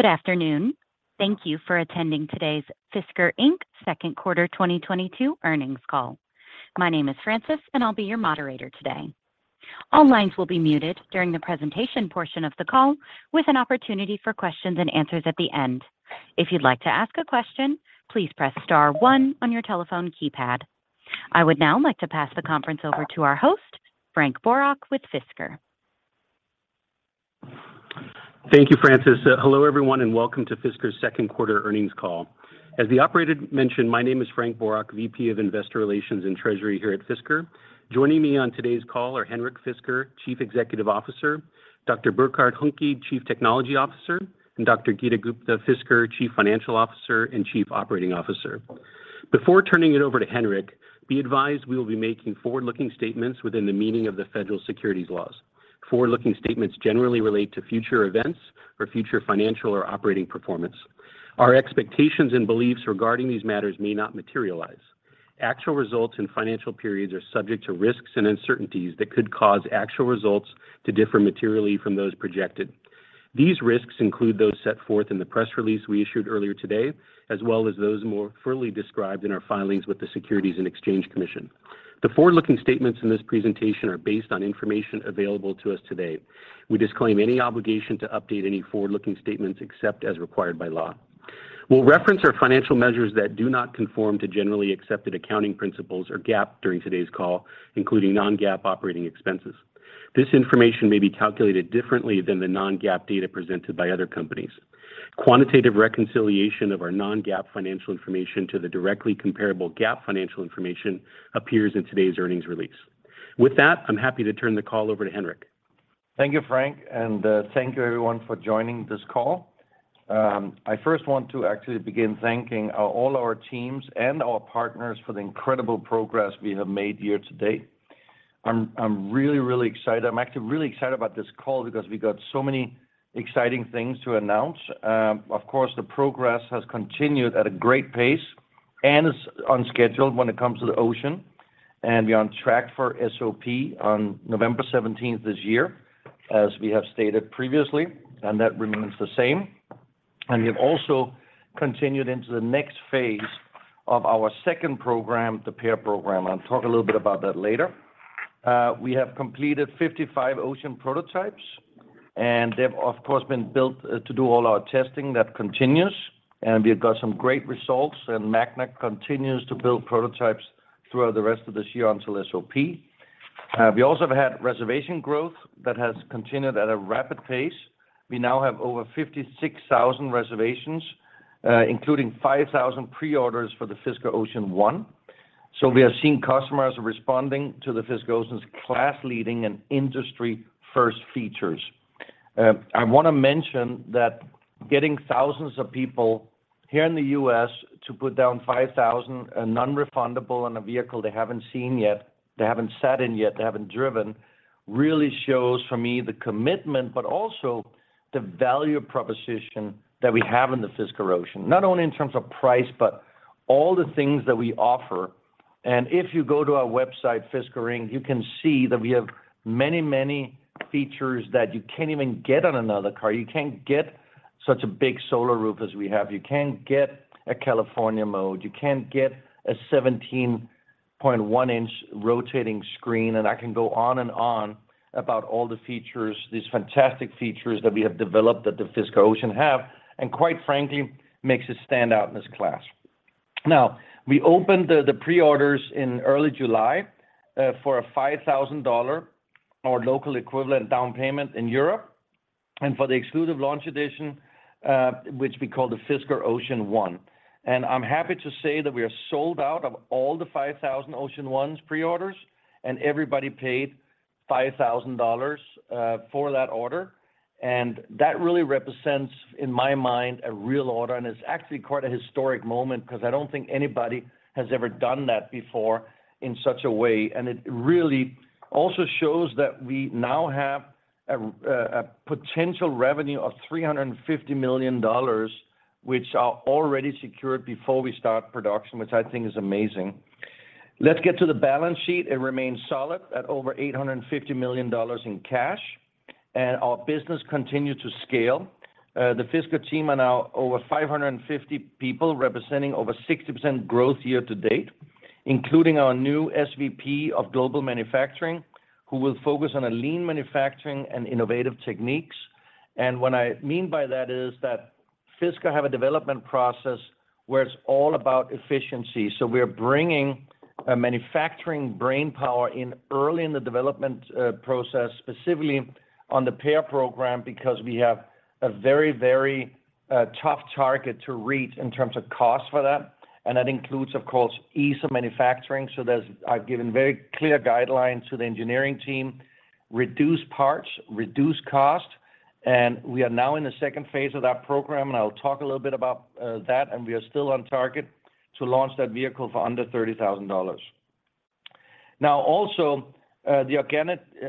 Good afternoon. Thank you for attending today's Fisker Inc. second quarter 2022 earnings call. My name is Francis, and I'll be your moderator today. All lines will be muted during the presentation portion of the call, with an opportunity for questions and answers at the end. If you'd like to ask a question, please press star one on your telephone keypad. I would now like to pass the conference over to our host, Frank Boroch, with Fisker. Thank you, Francis. Hello, everyone, and welcome to Fisker's second quarter earnings call. As the operator mentioned, my name is Frank Boroch, VP of Investor Relations and Treasury here at Fisker. Joining me on today's call are Henrik Fisker, Chief Executive Officer, Dr. Burkhard Huhnke, Chief Technology Officer, and Dr. Geeta Gupta-Fisker, Chief Financial Officer and Chief Operating Officer. Before turning it over to Henrik, be advised we will be making forward-looking statements within the meaning of the federal securities laws. Forward-looking statements generally relate to future events or future financial or operating performance. Our expectations and beliefs regarding these matters may not materialize. Actual results and financial periods are subject to risks and uncertainties that could cause actual results to differ materially from those projected. These risks include those set forth in the press release we issued earlier today, as well as those more fully described in our filings with the Securities and Exchange Commission. The forward-looking statements in this presentation are based on information available to us today. We disclaim any obligation to update any forward-looking statements except as required by law. We'll reference our financial measures that do not conform to generally accepted accounting principles or GAAP during today's call, including non-GAAP operating expenses. This information may be calculated differently than the non-GAAP data presented by other companies. Quantitative reconciliation of our non-GAAP financial information to the directly comparable GAAP financial information appears in today's earnings release. With that, I'm happy to turn the call over to Henrik. Thank you, Frank, and thank you everyone for joining this call. I first want to actually begin thanking all our teams and our partners for the incredible progress we have made year to date. I'm really excited. I'm actually really excited about this call because we've got so many exciting things to announce. Of course, the progress has continued at a great pace and is on schedule when it comes to the Ocean. We're on track for SOP on November 17th this year, as we have stated previously, and that remains the same. We have also continued into the next phase of our second program, the PEAR program. I'll talk a little bit about that later. We have completed 55 Ocean prototypes, and they've, of course, been built to do all our testing. That continues, and we have got some great results, and Magna continues to build prototypes throughout the rest of this year until SOP. We also have had reservation growth that has continued at a rapid pace. We now have over 56,000 reservations, including 5,000 pre-orders for the Fisker Ocean One. We are seeing customers responding to the Fisker Ocean's class-leading and industry-first features. I wanna mention that getting thousands of people here in the U.S. to put down $5,000, a non-refundable, on a vehicle they haven't seen yet, they haven't sat in yet, they haven't driven, really shows for me the commitment, but also the value proposition that we have in the Fisker Ocean, not only in terms of price, but all the things that we offer. If you go to our website, Fisker Inc., you can see that we have many, many features that you can't even get on another car. You can't get such a big solar roof as we have. You can't get a California Mode. You can't get a 17.1-inch rotating screen. I can go on and on about all the features, these fantastic features that we have developed that the Fisker Ocean have, and quite frankly, makes it stand out in this class. Now, we opened the pre-orders in early July for a $5,000 or local equivalent down payment in Europe, and for the exclusive launch edition, which we call the Fisker Ocean One. I'm happy to say that we are sold out of all the 5,000 Ocean Ones pre-orders, and everybody paid $5,000 for that order. That really represents, in my mind, a real order, and it's actually quite a historic moment 'cause I don't think anybody has ever done that before in such a way. It really also shows that we now have a potential revenue of $350 million, which are already secured before we start production, which I think is amazing. Let's get to the balance sheet. It remains solid at over $850 million in cash, and our business continue to scale. The Fisker team are now over 550 people, representing over 60% growth year to date, including our new SVP of Global Manufacturing, who will focus on a lean manufacturing and innovative techniques. What I mean by that is that Fisker have a development process where it's all about efficiency. We're bringing manufacturing brainpower in early in the development process, specifically on the PEAR program, because we have a very tough target to reach in terms of cost for that. That includes, of course, ease of manufacturing. I've given very clear guidelines to the engineering team, reduce parts, reduce cost, and we are now in the second phase of that program, and I'll talk a little bit about that. We are still on target to launch that vehicle for under $30,000. Now, also, the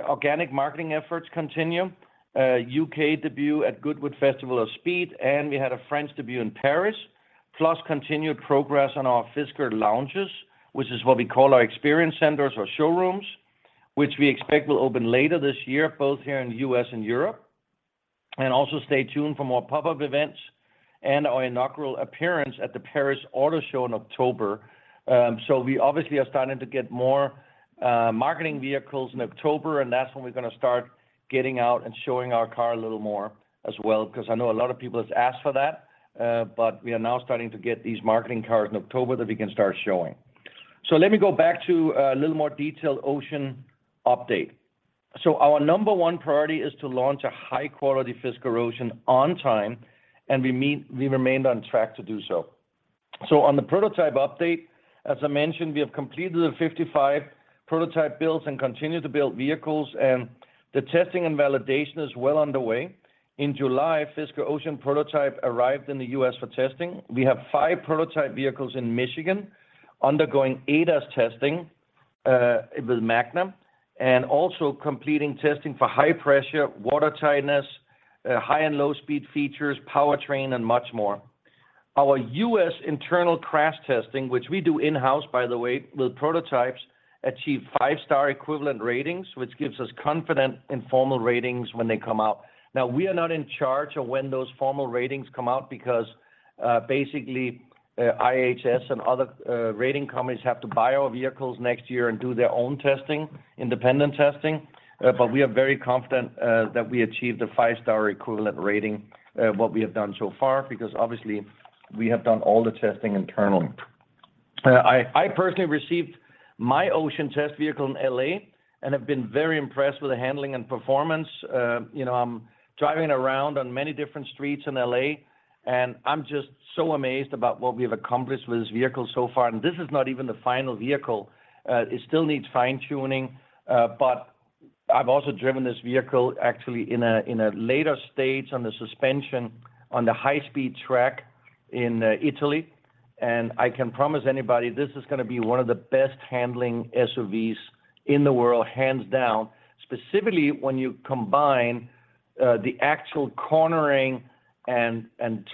organic marketing efforts continue. U.K. debut at Goodwood Festival of Speed, and we had a French debut in Paris, plus continued progress on our Fisker Lounges, which is what we call our experience centers or showrooms, which we expect will open later this year, both here in the U.S. and Europe. Also stay tuned for more pop-up events and our inaugural appearance at the Paris Auto Show in October. We obviously are starting to get more marketing vehicles in October, and that's when we're gonna start getting out and showing our car a little more as well, because I know a lot of people have asked for that. We are now starting to get these marketing cars in October that we can start showing. Let me go back to a little more detailed Ocean update. Our number one priority is to launch a high-quality Fisker Ocean on time, and we remained on track to do so. On the prototype update, as I mentioned, we have completed the 55 prototype builds and continue to build vehicles, and the testing and validation is well underway. In July, Fisker Ocean prototype arrived in the U.S. for testing. We have five prototype vehicles in Michigan undergoing ADAS testing with Magna, and also completing testing for high pressure, water tightness, high and low speed features, powertrain, and much more. Our U.S. internal crash testing, which we do in-house, by the way, with prototypes, achieve five-star equivalent ratings, which gives us confident in formal ratings when they come out. Now, we are not in charge of when those formal ratings come out because, basically, IHS and other rating companies have to buy our vehicles next year and do their own testing, independent testing. We are very confident that we achieved a five-star equivalent rating what we have done so far because obviously we have done all the testing internal. I personally received my Ocean test vehicle in LA and have been very impressed with the handling and performance. You know, I'm driving around on many different streets in LA, and I'm just so amazed about what we have accomplished with this vehicle so far. This is not even the final vehicle. It still needs fine-tuning, but I've also driven this vehicle actually in a later stage on the suspension on the high-speed track in Italy. I can promise anybody this is gonna be one of the best handling SUVs in the world, hands down, specifically when you combine the actual cornering and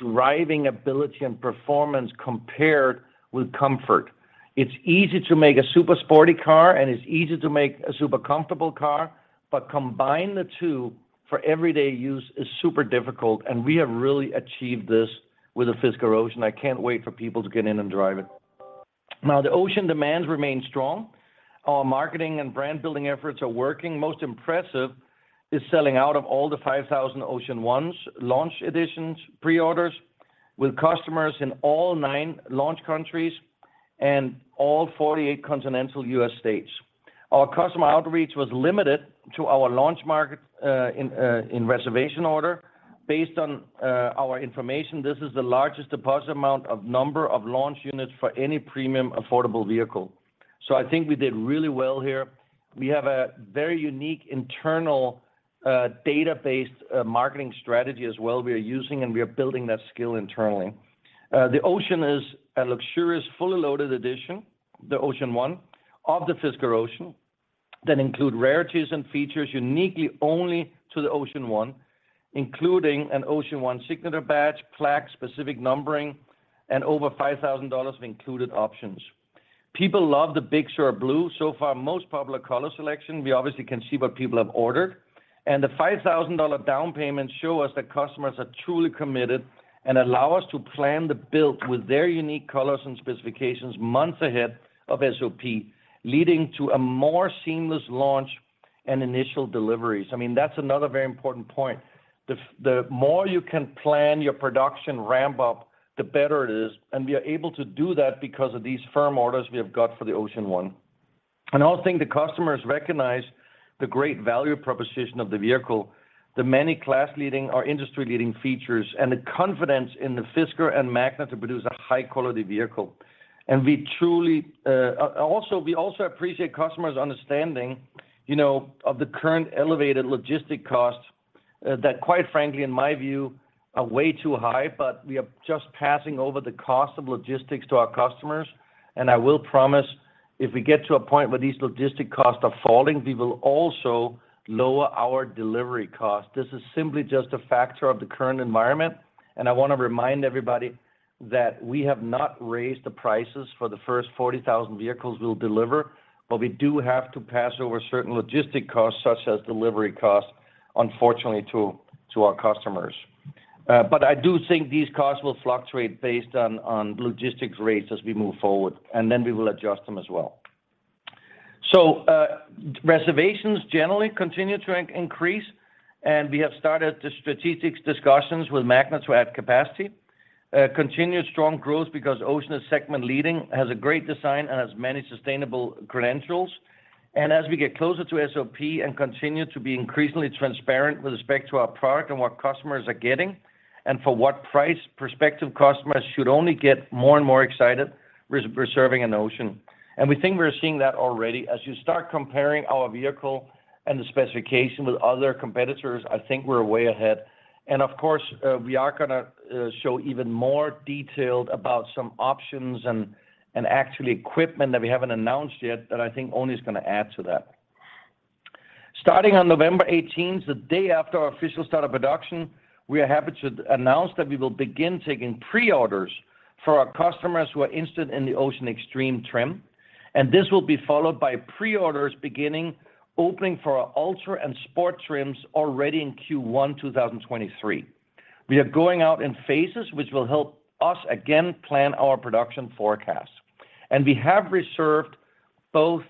driving ability and performance compared with comfort. It's easy to make a super sporty car, and it's easy to make a super comfortable car, but combine the two for everyday use is super difficult, and we have really achieved this with the Fisker Ocean. I can't wait for people to get in and drive it. Now, the Ocean demand remains strong. Our marketing and brand-building efforts are working. Most impressive is selling out of all the 5,000 Ocean One launch editions pre-orders with customers in all nine launch countries and all 48 continental U.S. states. Our customer outreach was limited to our launch market in reservation order. Based on our information, this is the largest deposit amount of number of launch units for any premium affordable vehicle. I think we did really well here. We have a very unique internal data-based, marketing strategy as well we are using, and we are building that skill internally. The Ocean is a luxurious fully loaded edition, the Ocean One, of the Fisker Ocean that include rarities and features uniquely only to the Ocean One, including an Ocean One signature badge, plaque, specific numbering, and over $5,000 of included options. People love the Big Sur Blue, so far most popular color selection. We obviously can see what people have ordered. The $5,000 down payment show us that customers are truly committed and allow us to plan the build with their unique colors and specifications months ahead of SOP, leading to a more seamless launch and initial deliveries. I mean, that's another very important point. The more you can plan your production ramp-up, the better it is, and we are able to do that because of these firm orders we have got for the Ocean One. I think the customers recognize the great value proposition of the vehicle, the many class-leading or industry-leading features, and the confidence in the Fisker and Magna to produce a high-quality vehicle. We truly also appreciate customers' understanding, you know, of the current elevated logistics costs that quite frankly, in my view, are way too high, but we are just passing on the cost of logistics to our customers. I will promise if we get to a point where these logistics costs are falling, we will also lower our delivery cost. This is simply just a factor of the current environment, and I wanna remind everybody that we have not raised the prices for the first 40,000 vehicles we'll deliver, but we do have to pass on certain logistics costs, such as delivery costs, unfortunately, to our customers. I do think these costs will fluctuate based on logistics rates as we move forward, and then we will adjust them as well. Reservations generally continue to increase, and we have started the strategic discussions with Magna to add capacity. Continued strong growth because Ocean is segment leading, has a great design, and has many sustainable credentials. As we get closer to SOP and continue to be increasingly transparent with respect to our product and what customers are getting and for what price prospective customers should only get more and more excited about reserving an Ocean. We think we're seeing that already. As you start comparing our vehicle and the specification with other competitors, I think we're way ahead. Of course, we are gonna show even more detail about some options and actually equipment that we haven't announced yet that I think only is gonna add to that. Starting on November 18th, the day after our official start of production, we are happy to announce that we will begin taking pre-orders for our customers who are interested in the Ocean Extreme trim. This will be followed by pre-orders beginning opening for our Ultra and Sport trims already in Q1 2023. We are going out in phases, which will help us again plan our production forecast. We have reserved both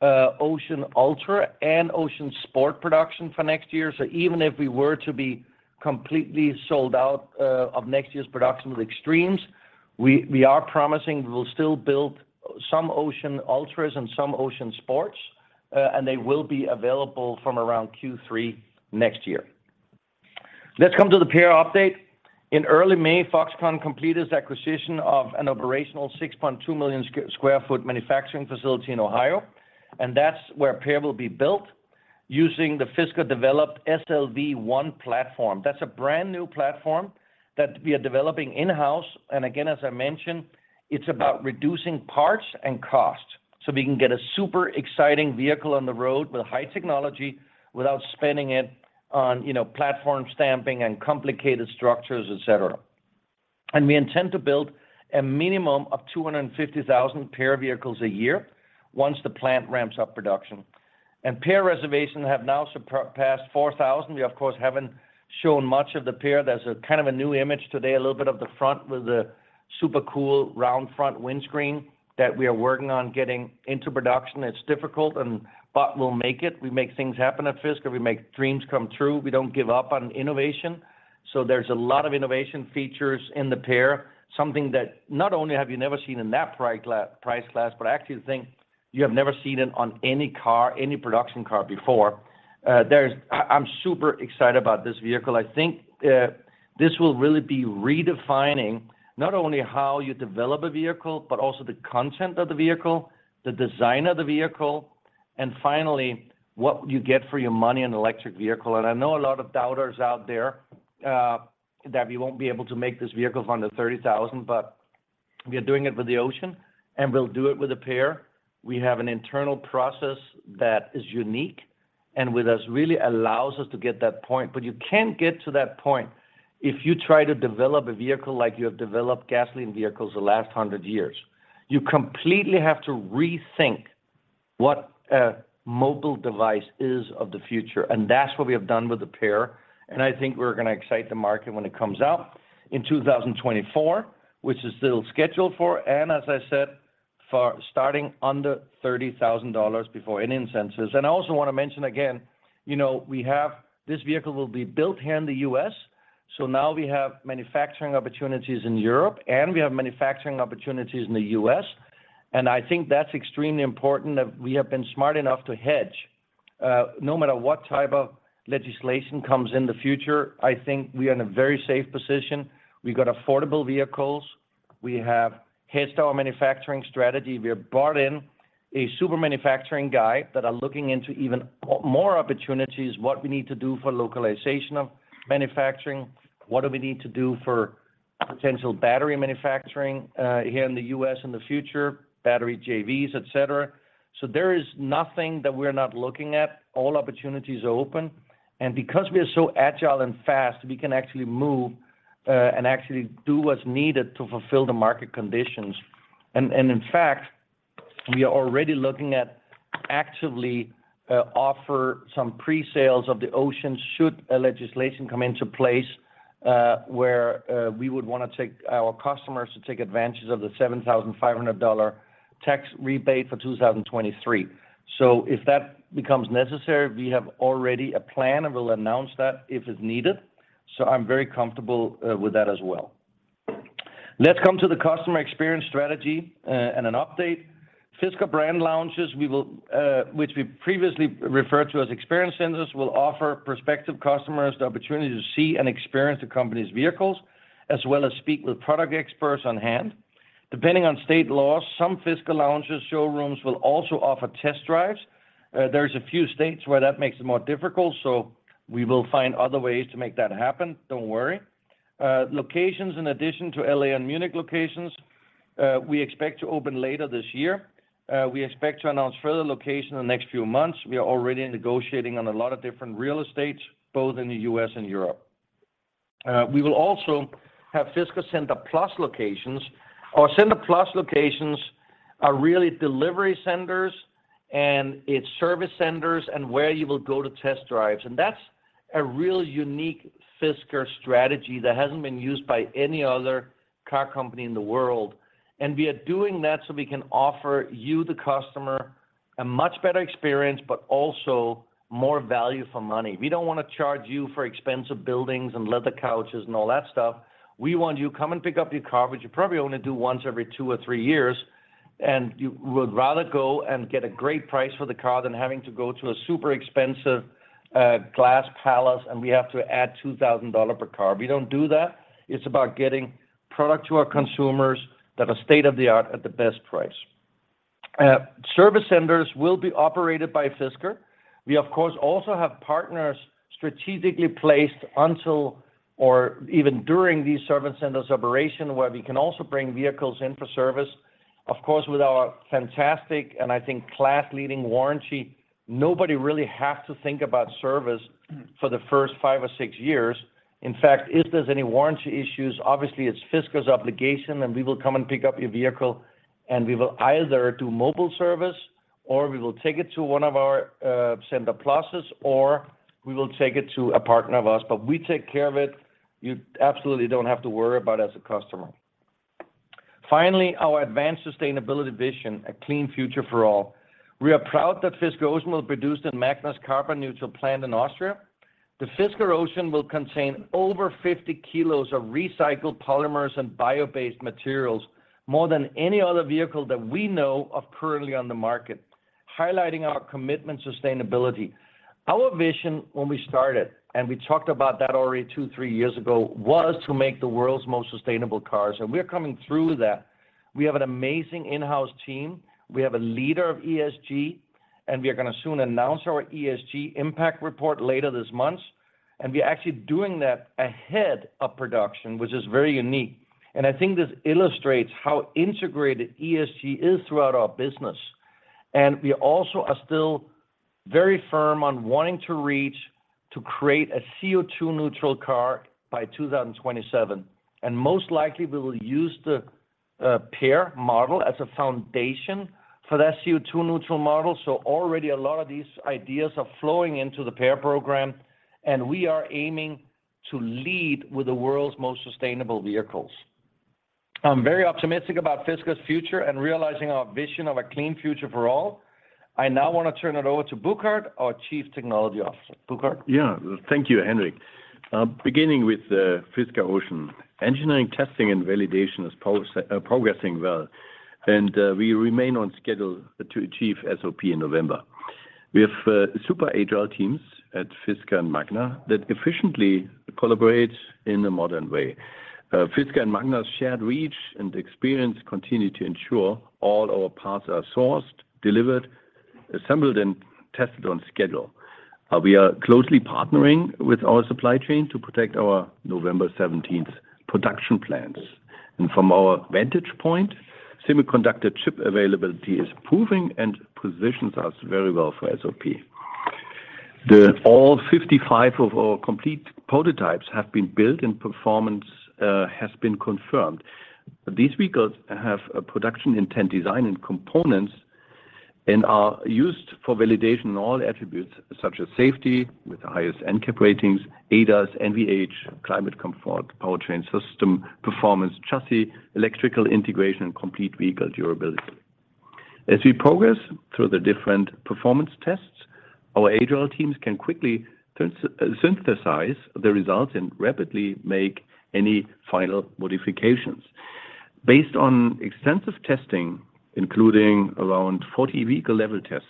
Ocean Ultra and Ocean Sport production for next year. Even if we were to be completely sold out of next year's production of the Ocean Extreme, we are promising we will still build some Ocean Ultras and some Ocean Sports, and they will be available from around Q3 next year. Let's come to the PEAR update. In early May, Foxconn completed its acquisition of an operational 6.2 million sq ft manufacturing facility in Ohio, and that's where PEAR will be built using the Fisker-developed SLV-1 platform. That's a brand-new platform that we are developing in-house. Again, as I mentioned, it's about reducing parts and cost, so we can get a super exciting vehicle on the road with high technology without spending it on, you know, platform stamping and complicated structures, et cetera. We intend to build a minimum of 250,000 PEAR vehicles a year once the plant ramps up production. PEAR reservations have now surpassed 4,000. We, of course, haven't shown much of the PEAR. There's a kind of a new image today, a little bit of the front with the super cool round front windscreen that we are working on getting into production. It's difficult, but we'll make it. We make things happen at Fisker. We make dreams come true. We don't give up on innovation. There's a lot of innovative features in the PEAR, something that not only have you never seen in that price class, but I actually think you have never seen it on any car, any production car before. I'm super excited about this vehicle. I think, this will really be redefining not only how you develop a vehicle, but also the content of the vehicle, the design of the vehicle, and finally, what you get for your money in an electric vehicle. I know a lot of doubters out there, that we won't be able to make this vehicle for under $30,000, but we are doing it with the Ocean, and we'll do it with the PEAR. We have an internal process that is unique and which just really allows us to get that point. You can't get to that point if you try to develop a vehicle like you have developed gasoline vehicles the last 100 years. You completely have to rethink what a mobile device is of the future, and that's what we have done with the PEAR. I think we're gonna excite the market when it comes out in 2024, which is still scheduled for, and as I said, for starting under $30,000 before any incentives. I also wanna mention again, you know, we have this vehicle will be built here in the U.S., so now we have manufacturing opportunities in Europe, and we have manufacturing opportunities in the U.S. I think that's extremely important that we have been smart enough to hedge. No matter what type of legislation comes in the future, I think we are in a very safe position. We've got affordable vehicles. We have hedged our manufacturing strategy. We have brought in a super manufacturing guy that are looking into even more opportunities, what we need to do for localization of manufacturing, what do we need to do for potential battery manufacturing here in the U.S. in the future, battery JVs, et cetera. There is nothing that we're not looking at. All opportunities are open. Because we are so agile and fast, we can actually move and actually do what's needed to fulfill the market conditions. In fact, we are already looking at actively offer some pre-sales of the Ocean should a legislation come into place where we would wanna take our customers to take advantage of the $7,500 tax rebate for 2023. If that becomes necessary, we have already a plan, and we'll announce that if it's needed. I'm very comfortable with that as well. Let's come to the customer experience strategy and an update. Fisker Lounges, which we previously referred to as experience centers, will offer prospective customers the opportunity to see and experience the company's vehicles, as well as speak with product experts on hand. Depending on state laws, some Fisker Lounges showrooms will also offer test drives. There's a few states where that makes it more difficult, so we will find other ways to make that happen. Don't worry. Locations in addition to L.A. and Munich locations, we expect to open later this year. We expect to announce further location in the next few months. We are already negotiating on a lot of different real estates, both in the U.S. and Europe. We will also have Fisker Center+ locations. Our Center+ locations are really delivery centers, and it's service centers, and where you will go to test drives. That's a real unique Fisker strategy that hasn't been used by any other car company in the world. We are doing that so we can offer you, the customer, a much better experience, but also more value for money. We don't wanna charge you for expensive buildings and leather couches and all that stuff. We want you to come and pick up your car, which you probably only do once every two or three years, and you would rather go and get a great price for the car than having to go to a super expensive glass palace, and we have to add $2,000 per car. We don't do that. It's about getting product to our consumers that are state-of-the-art at the best price. Service centers will be operated by Fisker. We, of course, also have partners strategically placed until or even during these service centers' operation where we can also bring vehicles in for service. Of course, with our fantastic and I think class-leading warranty, nobody really has to think about service for the first five or six years. In fact, if there's any warranty issues, obviously it's Fisker's obligation, and we will come and pick up your vehicle, and we will either do mobile service or we will take it to one of our Center+es, or we will take it to a partner of ours. But we take care of it. You absolutely don't have to worry about as a customer. Finally, our advanced sustainability vision, a clean future for all. We are proud that Fisker Ocean will produce in Magna's carbon neutral plant in Austria. The Fisker Ocean will contain over 50 kilos of recycled polymers and bio-based materials, more than any other vehicle that we know of currently on the market, highlighting our commitment to sustainability. Our vision when we started, and we talked about that already two, three years ago, was to make the world's most sustainable cars, and we're coming through that. We have an amazing in-house team. We have a leader of ESG, and we are gonna soon announce our ESG impact report later this month. We're actually doing that ahead of production, which is very unique. I think this illustrates how integrated ESG is throughout our business. We also are still very firm on wanting to reach to create a CO₂ neutral car by 2027. Most likely, we will use the PEAR model as a foundation for that CO₂ neutral model. Already a lot of these ideas are flowing into the PEAR program, and we are aiming to lead with the world's most sustainable vehicles. I'm very optimistic about Fisker's future and realizing our vision of a clean future for all. I now wanna turn it over to Burkhard, our Chief Technology Officer. Burkhard? Yeah. Thank you, Henrik. Beginning with the Fisker Ocean. Engineering, testing, and validation is progressing well, and we remain on schedule to achieve SOP in November. We have super agile teams at Fisker and Magna that efficiently collaborate in a modern way. Fisker and Magna's shared reach and experience continue to ensure all our parts are sourced, delivered, assembled, and tested on schedule. We are closely partnering with our supply chain to protect our November seventeenth production plans. From our vantage point, semiconductor chip availability is improving and positions us very well for SOP. All 55 of our complete prototypes have been built and performance has been confirmed. These vehicles have a production intent design and components and are used for validation in all attributes, such as safety with the highest NCAP ratings, ADAS, NVH, climate comfort, powertrain system, performance chassis, electrical integration, and complete vehicle durability. As we progress through the different performance tests, our agile teams can quickly synthesize the results and rapidly make any final modifications. Based on extensive testing, including around 40 vehicle level tests,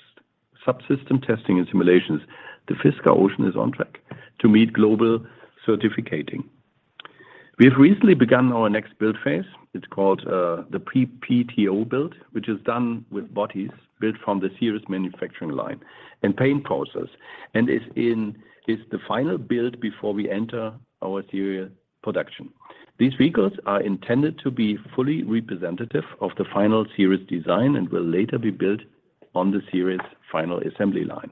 subsystem testing, and simulations, the Fisker Ocean is on track to meet global certification. We have recently begun our next build phase. It's called the pre-PTO build, which is done with bodies built from the series manufacturing line and paint process, and is the final build before we enter our serial production. These vehicles are intended to be fully representative of the final series design and will later be built on the series final assembly line.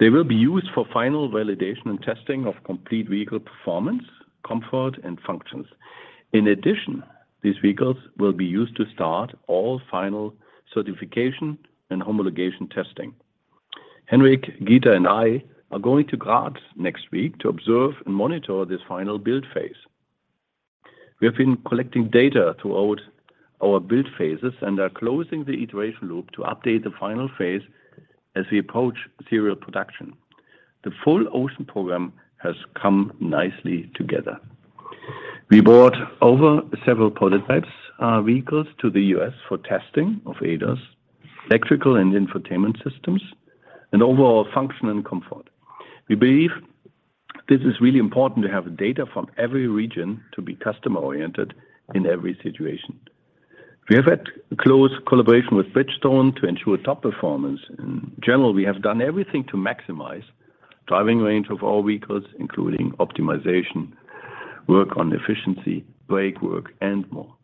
They will be used for final validation and testing of complete vehicle performance, comfort, and functions. In addition, these vehicles will be used to start all final certification and homologation testing. Henrik, Geeta, and I are going to Graz next week to observe and monitor this final build phase. We have been collecting data throughout our build phases and are closing the iteration loop to update the final phase as we approach serial production. The full Ocean program has come nicely together. We brought over several prototypes, vehicles to the U.S. for testing of ADAS, electrical and infotainment systems, and overall function and comfort. We believe this is really important to have data from every region to be customer-oriented in every situation. We have had close collaboration with Bridgestone to ensure top performance. In general, we have done everything to maximize driving range of our vehicles, including optimization, work on efficiency, brake work, and more.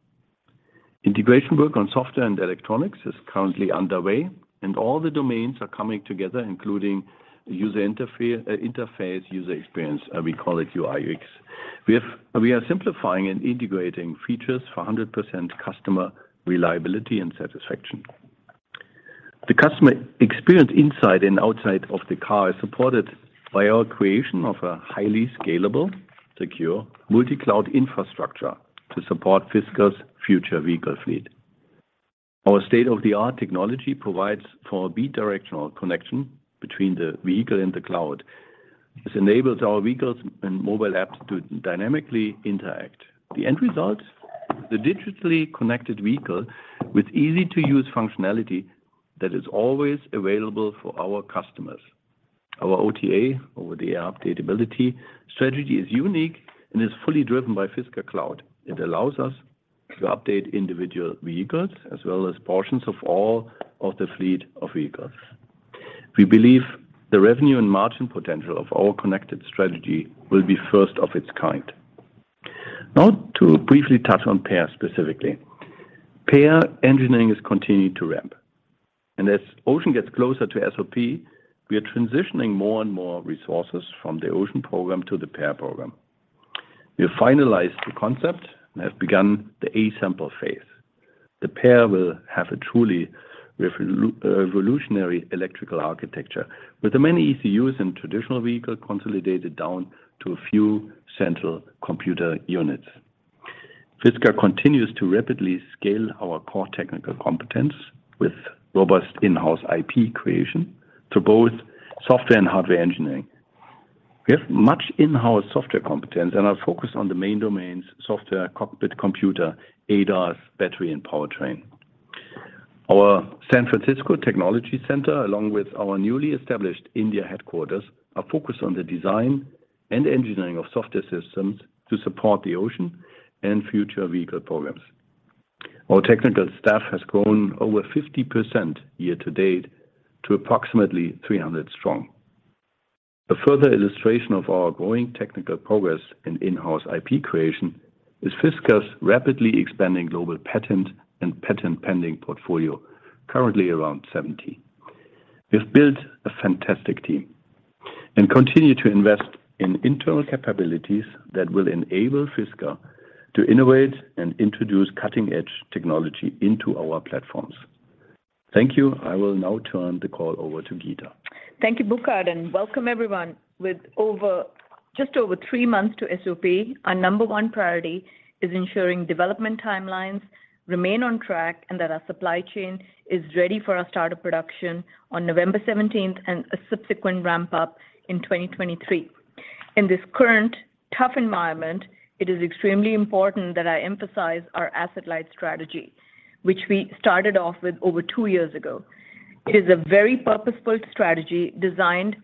Integration work on software and electronics is currently underway, and all the domains are coming together, including user interface, user experience, we call it UI/UX. We are simplifying and integrating features for 100% customer reliability and satisfaction. The customer experience inside and outside of the car is supported by our creation of a highly scalable, secure, multi-cloud infrastructure to support Fisker's future vehicle fleet. Our state-of-the-art technology provides for a bi-directional connection between the vehicle and the cloud. This enables our vehicles and mobile apps to dynamically interact. The end result, the digitally connected vehicle with easy-to-use functionality that is always available for our customers. Our OTA, over-the-air update ability, strategy is unique and is fully driven by Fisker Cloud. It allows us to update individual vehicles as well as portions of all of the fleet of vehicles. We believe the revenue and margin potential of our connected strategy will be first of its kind. Now to briefly touch on PEAR specifically. PEAR engineering has continued to ramp, and as Ocean gets closer to SOP, we are transitioning more and more resources from the Ocean program to the PEAR program. We have finalized the concept and have begun the A-sample phase. The PEAR will have a truly revolutionary electrical architecture with the many ECUs in traditional vehicle consolidated down to a few central computer units. Fisker continues to rapidly scale our core technical competence with robust in-house IP creation to both software and hardware engineering. We have much in-house software competence and are focused on the main domains software, cockpit computer, ADAS, battery and powertrain. Our San Francisco Technology Center, along with our newly established India headquarters, are focused on the design and engineering of software systems to support the Ocean and future vehicle programs. Our technical staff has grown over 50% year-to-date to approximately 300 strong. A further illustration of our growing technical progress in-house IP creation is Fisker's rapidly expanding global patent and patent pending portfolio, currently around 70. We have built a fantastic team and continue to invest in internal capabilities that will enable Fisker to innovate and introduce cutting-edge technology into our platforms. Thank you. I will now turn the call over to Geeta. Thank you, Burkhard, and welcome everyone. With just over three months to SOP, our number one priority is ensuring development timelines remain on track and that our supply chain is ready for our start of production on November seventeenth and a subsequent ramp up in 2023. In this current tough environment, it is extremely important that I emphasize our asset-light strategy, which we started off with over two years ago. It is a very purposeful strategy designed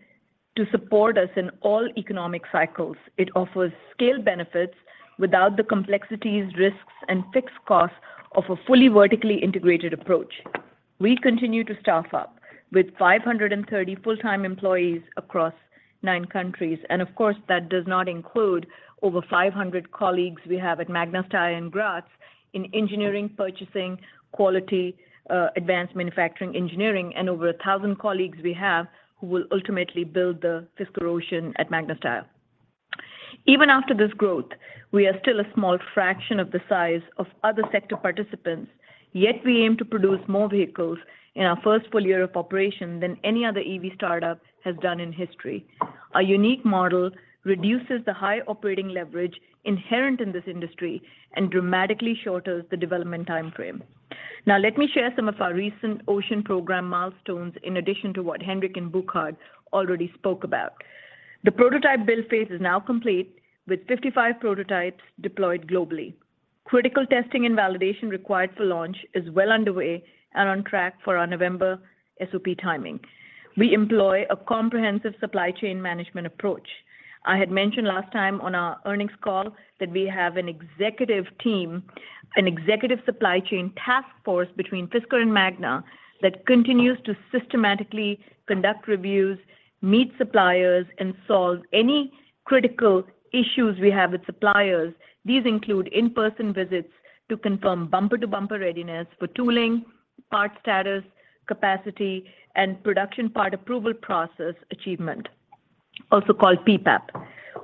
to support us in all economic cycles. It offers scale benefits without the complexities, risks, and fixed costs of a fully vertically integrated approach. We continue to staff up with 530 full-time employees across nine countries. Of course, that does not include over 500 colleagues we have at Magna Steyr in Graz in engineering, purchasing, quality, advanced manufacturing engineering and over 1,000 colleagues we have who will ultimately build the Fisker Ocean at Magna Steyr. Even after this growth, we are still a small fraction of the size of other sector participants, yet we aim to produce more vehicles in our first full year of operation than any other EV startup has done in history. Our unique model reduces the high operating leverage inherent in this industry and dramatically shortens the development timeframe. Now let me share some of our recent Ocean program milestones in addition to what Henrik and Burkhard already spoke about. The prototype build phase is now complete with 55 prototypes deployed globally. Critical testing and validation required for launch is well underway and on track for our November SOP timing. We employ a comprehensive supply chain management approach. I had mentioned last time on our earnings call that we have an executive team, an executive supply chain task force between Fisker and Magna that continues to systematically conduct reviews, meet suppliers, and solve any critical issues we have with suppliers. These include in-person visits to confirm bumper-to-bumper readiness for tooling, part status, capacity, and production part approval process achievement, also called PPAP.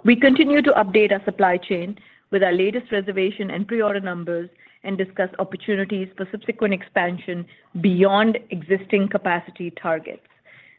We continue to update our supply chain with our latest reservation and pre-order numbers and discuss opportunities for subsequent expansion beyond existing capacity targets.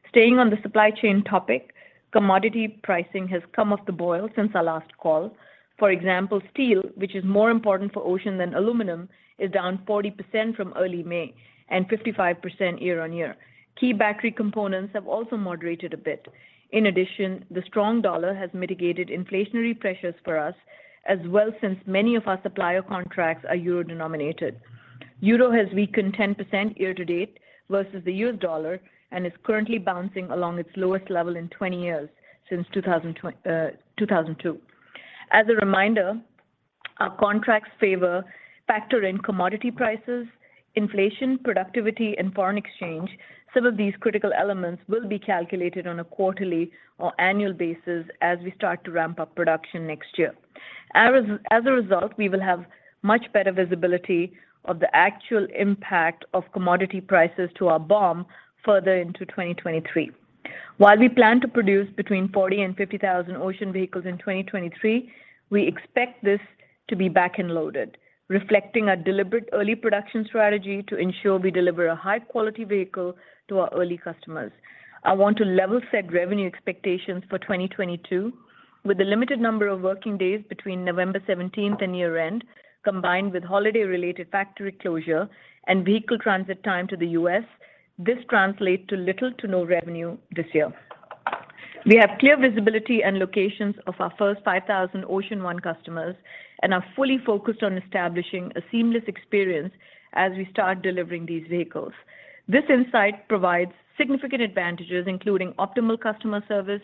Staying on the supply chain topic, commodity pricing has come off the boil since our last call. For example, steel, which is more important for Ocean than aluminum, is down 40% from early May and 55% year-on-year. Key battery components have also moderated a bit. In addition, the strong dollar has mitigated inflationary pressures for us as well since many of our supplier contracts are euro-denominated. Euro has weakened 10% year-to-date versus the U.S. dollar and is currently bouncing along its lowest level in 20 years since 2002. As a reminder, our contracts factor in commodity prices, inflation, productivity, and foreign exchange. Some of these critical elements will be calculated on a quarterly or annual basis as we start to ramp up production next year. As a result, we will have much better visibility of the actual impact of commodity prices to our BOM further into 2023. While we plan to produce between 40,000 and 50,000 Ocean vehicles in 2023, we expect this to be back-end loaded, reflecting a deliberate early production strategy to ensure we deliver a high-quality vehicle to our early customers. I want to level set revenue expectations for 2022 with a limited number of working days between November 17 and year-end, combined with holiday-related factory closure and vehicle transit time to the U.S. This translates to little to no revenue this year. We have clear visibility and locations of our first 5,000 Ocean One customers and are fully focused on establishing a seamless experience as we start delivering these vehicles. This insight provides significant advantages, including optimal customer service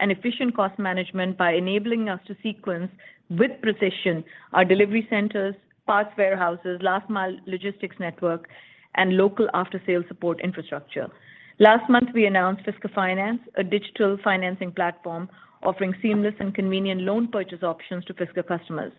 and efficient cost management by enabling us to sequence with precision our delivery centers, parts warehouses, last mile logistics network and local after-sale support infrastructure. Last month, we announced Fisker Finance, a digital financing platform offering seamless and convenient loan purchase options to Fisker customers.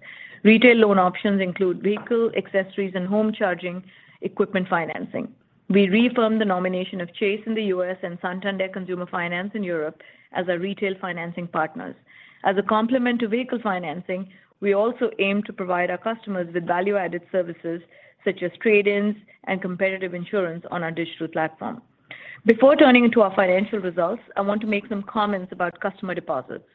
Retail loan options include vehicle accessories and home charging equipment financing. We reaffirmed the nomination of Chase in the U.S. and Santander Consumer Finance in Europe as our retail financing partners. As a complement to vehicle financing, we also aim to provide our customers with value-added services such as trade-ins and competitive insurance on our digital platform. Before turning to our financial results, I want to make some comments about customer deposits.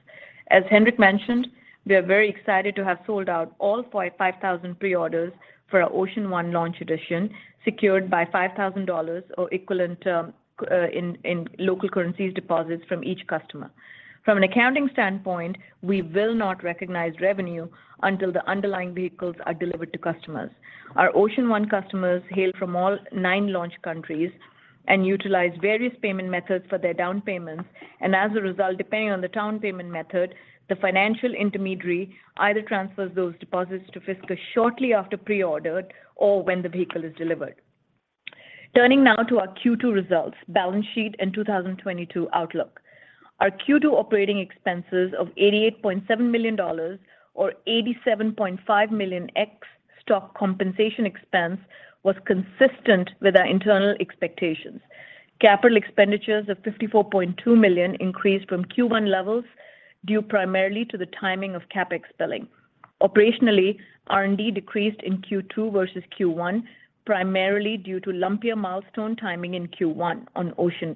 As Henrik mentioned, we are very excited to have sold out all 5,000 pre-orders for our Ocean One Launch Edition, secured by $5,000 or equivalent in local currencies deposits from each customer. From an accounting standpoint, we will not recognize revenue until the underlying vehicles are delivered to customers. Our Ocean One customers hail from all nine launch countries and utilize various payment methods for their down payments, and as a result, depending on the down payment method, the financial intermediary either transfers those deposits to Fisker shortly after pre-order or when the vehicle is delivered. Turning now to our Q2 results, balance sheet and 2022 outlook. Our Q2 operating expenses of $88.7 million or $87.5 million ex stock compensation expense was consistent with our internal expectations. Capital expenditures of $54.2 million increased from Q1 levels due primarily to the timing of CapEx billing. Operationally, R&D decreased in Q2 versus Q1, primarily due to lumpier milestone timing in Q1 on Ocean.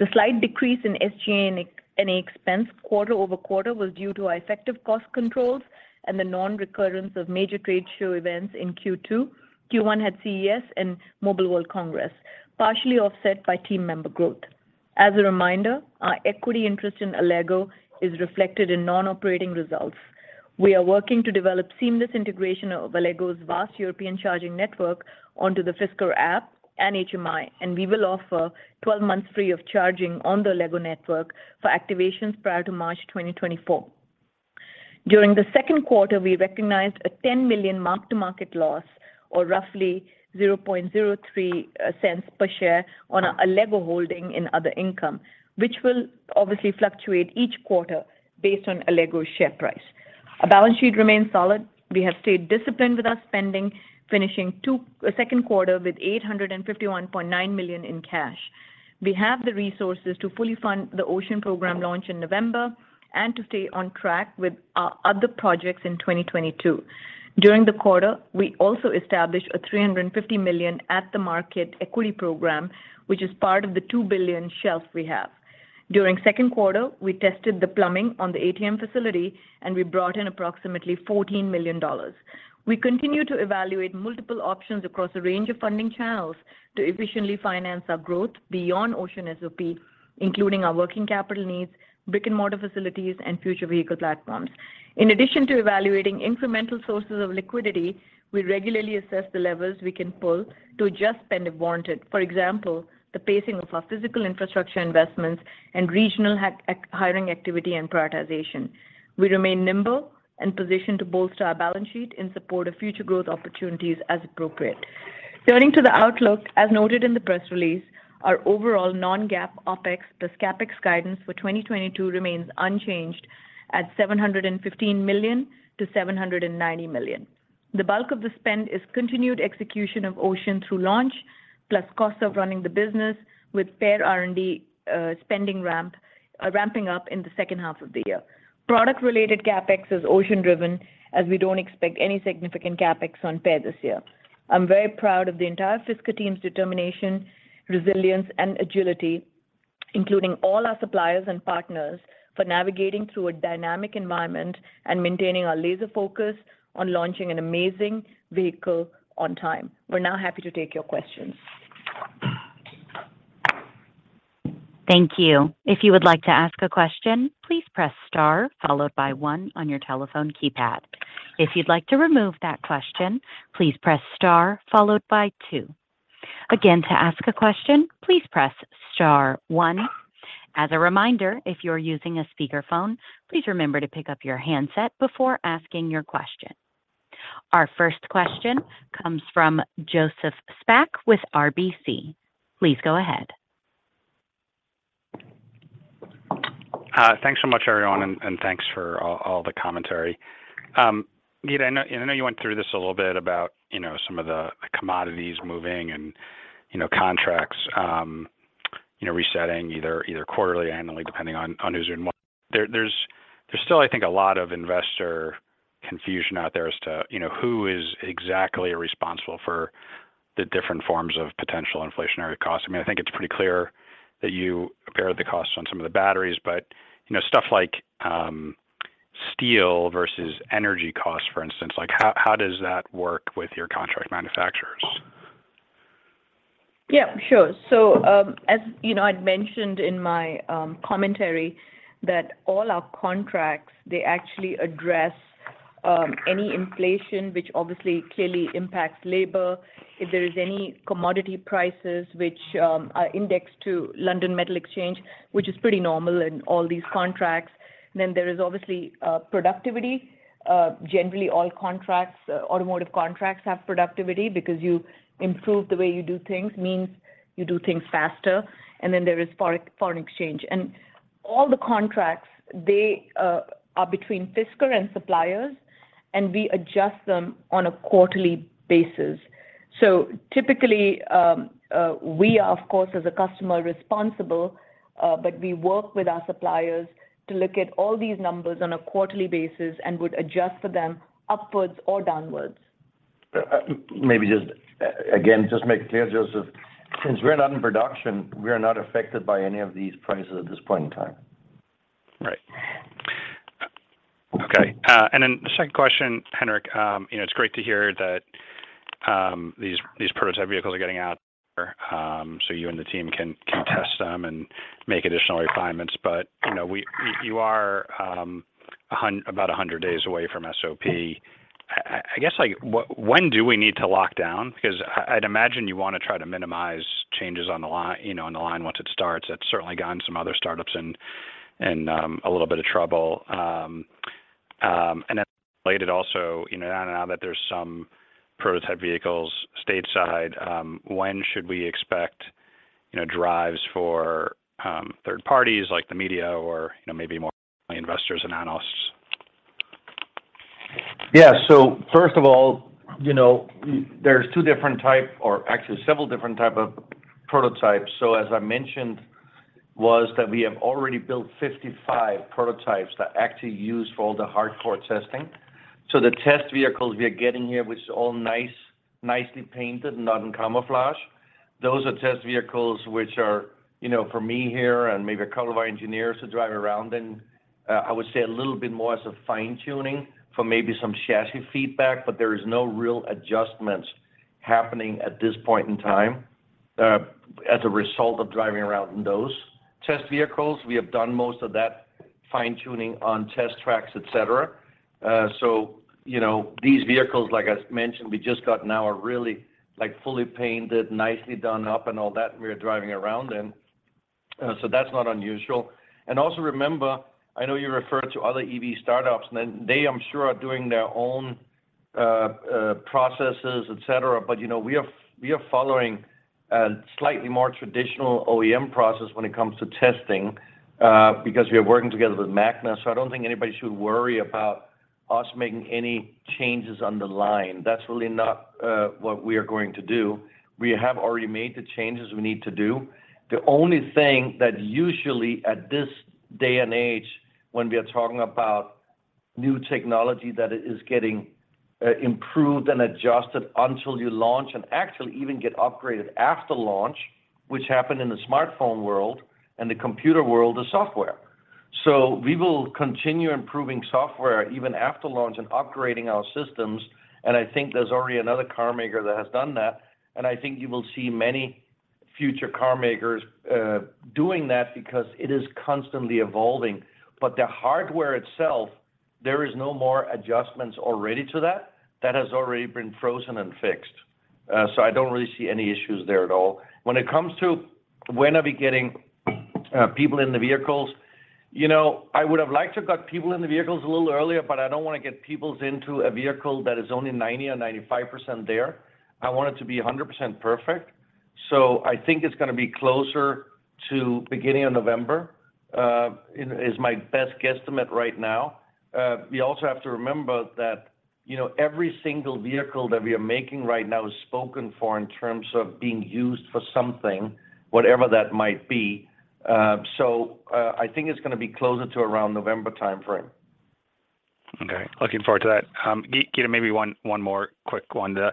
The slight decrease in SG&A expense quarter-over-quarter was due to our effective cost controls and the non-recurrence of major trade show events in Q2. Q1 had CES and Mobile World Congress, partially offset by team member growth. As a reminder, our equity interest in Allego is reflected in non-operating results. We are working to develop seamless integration of Allego's vast European charging network onto the Fisker app and HMI, and we will offer 12 months free of charging on the Allego network for activations prior to March 2024. During the second quarter, we recognized a $10 million mark-to-market loss or roughly $0.03 per share on Allego holding in other income, which will obviously fluctuate each quarter based on Allego's share price. Our balance sheet remains solid. We have stayed disciplined with our spending, finishing second quarter with $851.9 million in cash. We have the resources to fully fund the Ocean program launch in November and to stay on track with our other projects in 2022. During the quarter, we also established a $350 million at-the-market equity program, which is part of the $2 billion shelf we have. During second quarter, we tested the plumbing on the ATM facility, and we brought in approximately $14 million. We continue to evaluate multiple options across a range of funding channels to efficiently finance our growth beyond Ocean SOP, including our working capital needs, brick-and-mortar facilities, and future vehicle platforms. In addition to evaluating incremental sources of liquidity, we regularly assess the levels we can pull to adjust spend if warranted, for example, the pacing of our physical infrastructure investments and regional hiring activity and prioritization. We remain nimble and positioned to bolster our balance sheet in support of future growth opportunities as appropriate. Turning to the outlook, as noted in the press release, our overall non-GAAP OpEx plus CapEx guidance for 2022 remains unchanged at $715 million-$790 million. The bulk of the spend is continued execution of Ocean through launch, plus costs of running the business with PEAR R&D, spending ramp, ramping up in the second half of the year. Product-related CapEx is Ocean driven, as we don't expect any significant CapEx on PEAR this year. I'm very proud of the entire Fisker team's determination, resilience and agility, including all our suppliers and partners, for navigating through a dynamic environment and maintaining our laser focus on launching an amazing vehicle on time. We're now happy to take your questions. Thank you. If you would like to ask a question, please press star followed by one on your telephone keypad. If you'd like to remove that question, please press star followed by two. Again, to ask a question, please press star one. As a reminder, if you're using a speakerphone, please remember to pick up your handset before asking your question. Our first question comes from Joseph Spak with RBC. Please go ahead. Thanks so much, everyone, and thanks for all the commentary. Geeta, I know you went through this a little bit about, you know, some of the commodities moving and, you know, contracts, you know, resetting either quarterly, annually, depending on who's doing what. There's still, I think, a lot of investor confusion out there as to, you know, who is exactly responsible for the different forms of potential inflationary costs. I mean, I think it's pretty clear that you bear the costs on some of the batteries, but, you know, stuff like steel versus energy costs, for instance, like, how does that work with your contract manufacturers? Yeah, sure. As you know, I'd mentioned in my commentary that all our contracts, they actually address any inflation, which obviously clearly impacts labor. If there is any commodity prices, which are indexed to London Metal Exchange, which is pretty normal in all these contracts. There is obviously productivity. Generally all contracts, automotive contracts have productivity because you improve the way you do things, means you do things faster. There is foreign exchange. All the contracts, they are between Fisker and suppliers, and we adjust them on a quarterly basis. Typically, we are, of course, as a customer, responsible, but we work with our suppliers to look at all these numbers on a quarterly basis and would adjust for them upwards or downwards. Maybe just again just make it clear, Joseph, since we're not in production, we are not affected by any of these prices at this point in time. Right. Okay. The second question, Henrik, you know, it's great to hear that these prototype vehicles are getting out. So you and the team can test them and make additional refinements. You know, you are about 100 days away from SOP. I guess, like, when do we need to lock down? Because I'd imagine you wanna try to minimize changes on the line, you know, on the line once it starts. That's certainly gotten some other startups in a little bit of trouble. Related also, you know, now that there's some prototype vehicles stateside, when should we expect, you know, drives for third parties like the media or, you know, maybe more investors and analysts? Yeah. First of all, you know, there's two different type or actually several different type of prototypes. As I mentioned, we have already built 55 prototypes that actually use for all the hardcore testing. The test vehicles we are getting here, which is all nice, nicely painted, not in camouflage. Those are test vehicles which are, you know, for media here and maybe a couple of our engineers to drive around. I would say a little bit more as a fine-tuning for maybe some chassis feedback, but there is no real adjustments happening at this point in time, as a result of driving around in those test vehicles. We have done most of that fine-tuning on test tracks, et cetera. You know, these vehicles, like I mentioned, we just got now are really, like, fully painted, nicely done up and all that, and we're driving around in. That's not unusual. Also remember, I know you referred to other EV startups, and they, I'm sure, are doing their own processes, et cetera. You know, we are following a slightly more traditional OEM process when it comes to testing, because we are working together with Magna. I don't think anybody should worry about us making any changes on the line. That's really not what we are going to do. We have already made the changes we need to do. The only thing that usually at this day and age, when we are talking about new technology that is getting improved and adjusted until you launch and actually even get upgraded after launch, which happened in the smartphone world and the computer world of software. We will continue improving software even after launch and upgrading our systems. I think there's already another carmaker that has done that. I think you will see many future carmakers doing that because it is constantly evolving. The hardware itself, there is no more adjustments already to that. That has already been frozen and fixed. I don't really see any issues there at all. When it comes to when are we getting people in the vehicles, you know, I would have liked to got people in the vehicles a little earlier, but I don't wanna get peoples into a vehicle that is only 90 or 95% there. I want it to be 100% perfect. I think it's gonna be closer to beginning of November, is my best guesstimate right now. We also have to remember that, you know, every single vehicle that we are making right now is spoken for in terms of being used for something, whatever that might be. I think it's gonna be closer to around November timeframe. Okay. Looking forward to that. Geeta, maybe one more quick one. The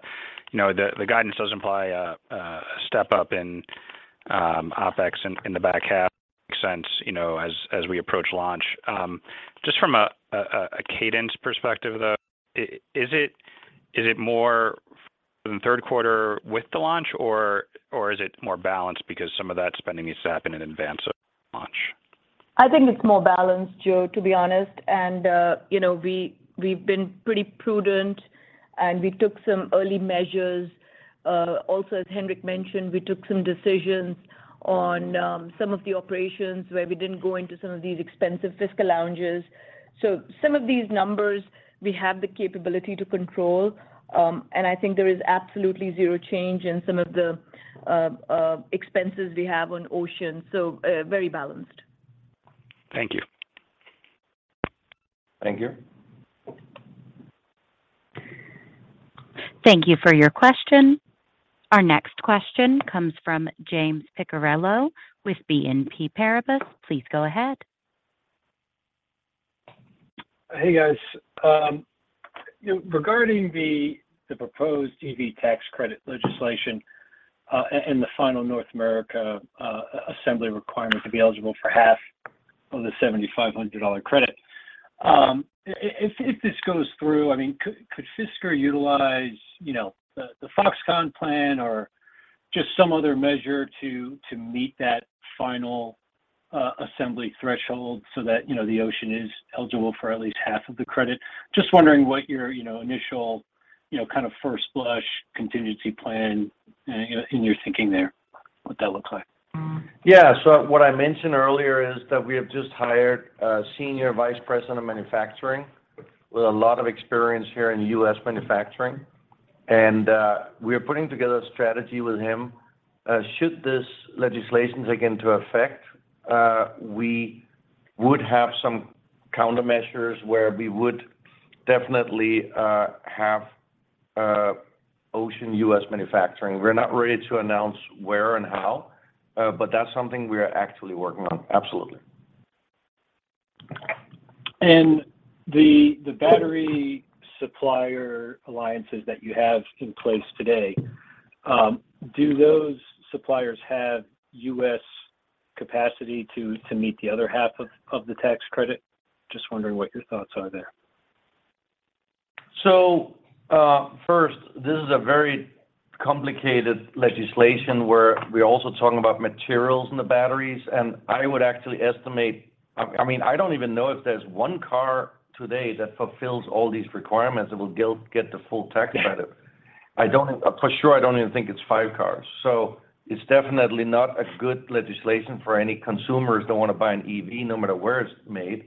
guidance does imply a step up in OpEx in the back half makes sense, you know, as we approach launch. Just from a cadence perspective, though, is it more in the third quarter with the launch or is it more balanced because some of that spending is happening in advance of launch? I think it's more balanced, Joe, to be honest. You know, we've been pretty prudent, and we took some early measures. Also, as Henrik mentioned, we took some decisions on some of the operations where we didn't go into some of these expensive Fisker Lounges. Some of these numbers we have the capability to control. I think there is absolutely zero change in some of the expenses we have on Ocean. Very balanced. Thank you. Thank you. Thank you for your question. Our next question comes from James Picariello with BNP Paribas. Please go ahead. Hey, guys. You know, regarding the proposed EV tax credit legislation, and the final North America assembly requirement to be eligible for half of the $7,500 credit. If this goes through, I mean, could Fisker utilize the Foxconn plan or just some other measure to meet that final assembly threshold so that the Ocean is eligible for at least half of the credit? Just wondering what your initial kind of first blush contingency plan in your thinking there, what that look like. Yeah. What I mentioned earlier is that we have just hired a senior vice president of manufacturing with a lot of experience here in U.S. manufacturing. We are putting together a strategy with him. Should this legislation take into effect, we would have some countermeasures where we would definitely have Ocean U.S. manufacturing. We're not ready to announce where and how, but that's something we are actively working on. Absolutely. The battery supplier alliances that you have in place today, do those suppliers have U.S. capacity to meet the other half of the tax credit? Just wondering what your thoughts are there. First, this is a very complicated legislation where we're also talking about materials in the batteries. I would actually estimate. I mean, I don't even know if there's one car today that fulfills all these requirements that will get the full tax credit. For sure, I don't even think it's five cars. It's definitely not a good legislation for any consumers that wanna buy an EV, no matter where it's made.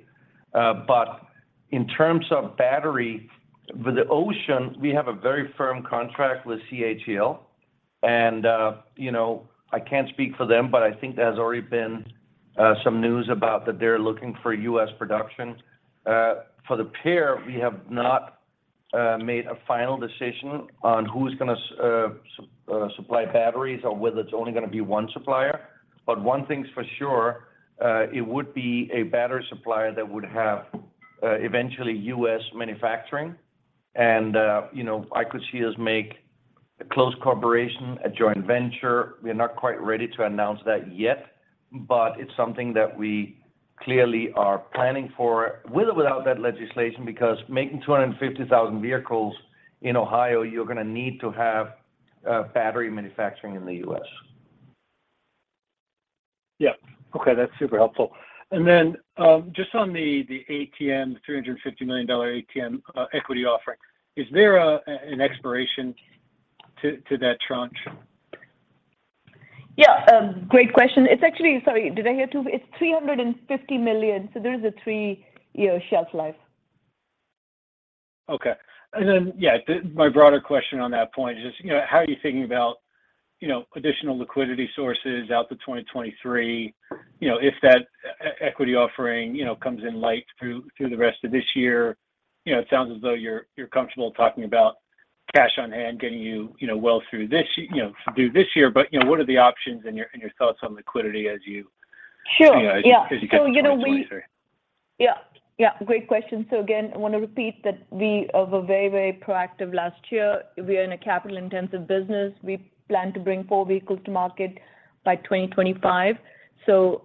In terms of battery, with the Ocean, we have a very firm contract with CATL. You know, I can't speak for them, but I think there's already been some news about that they're looking for U.S. production. For the Pear, we have not made a final decision on who's gonna supply batteries or whether it's only gonna be one supplier. One thing's for sure, it would be a battery supplier that would have, eventually U.S. manufacturing. You know, I could see us make a close cooperation, a joint venture. We are not quite ready to announce that yet, but it's something that we clearly are planning for with or without that legislation. Because making 250,000 vehicles in Ohio, you're gonna need to have, battery manufacturing in the U.S. Yeah. Okay, that's super helpful. Then, just on the ATM, $350 million ATM, equity offering. Is there an expiration to that tranche? Great question. Sorry, did I hear two? It's $350 million, so there's a three-year shelf life. Okay. Yeah, then my broader question on that point is just, you know, how are you thinking about, you know, additional liquidity sources out to 2023. You know, if that equity offering, you know, comes in light through the rest of this year. You know, it sounds as though you're comfortable talking about cash on hand getting you know, well through this year. What are the options and your thoughts on liquidity as you- Sure. Yeah You know, as you get to 2023. Great question. I wanna repeat that we have a very proactive last year. We are in a capital-intensive business. We plan to bring four vehicles to market by 2025.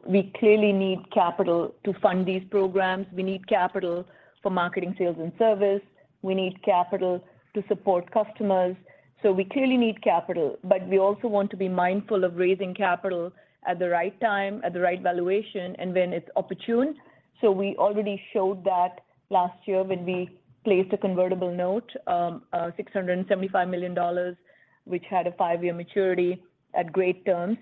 We clearly need capital to fund these programs. We need capital for marketing, sales, and service. We need capital to support customers. We clearly need capital. But we also want to be mindful of raising capital at the right time, at the right valuation, and when it's opportune. We already showed that last year when we placed a convertible note, $675 million, which had a five-year maturity at great terms.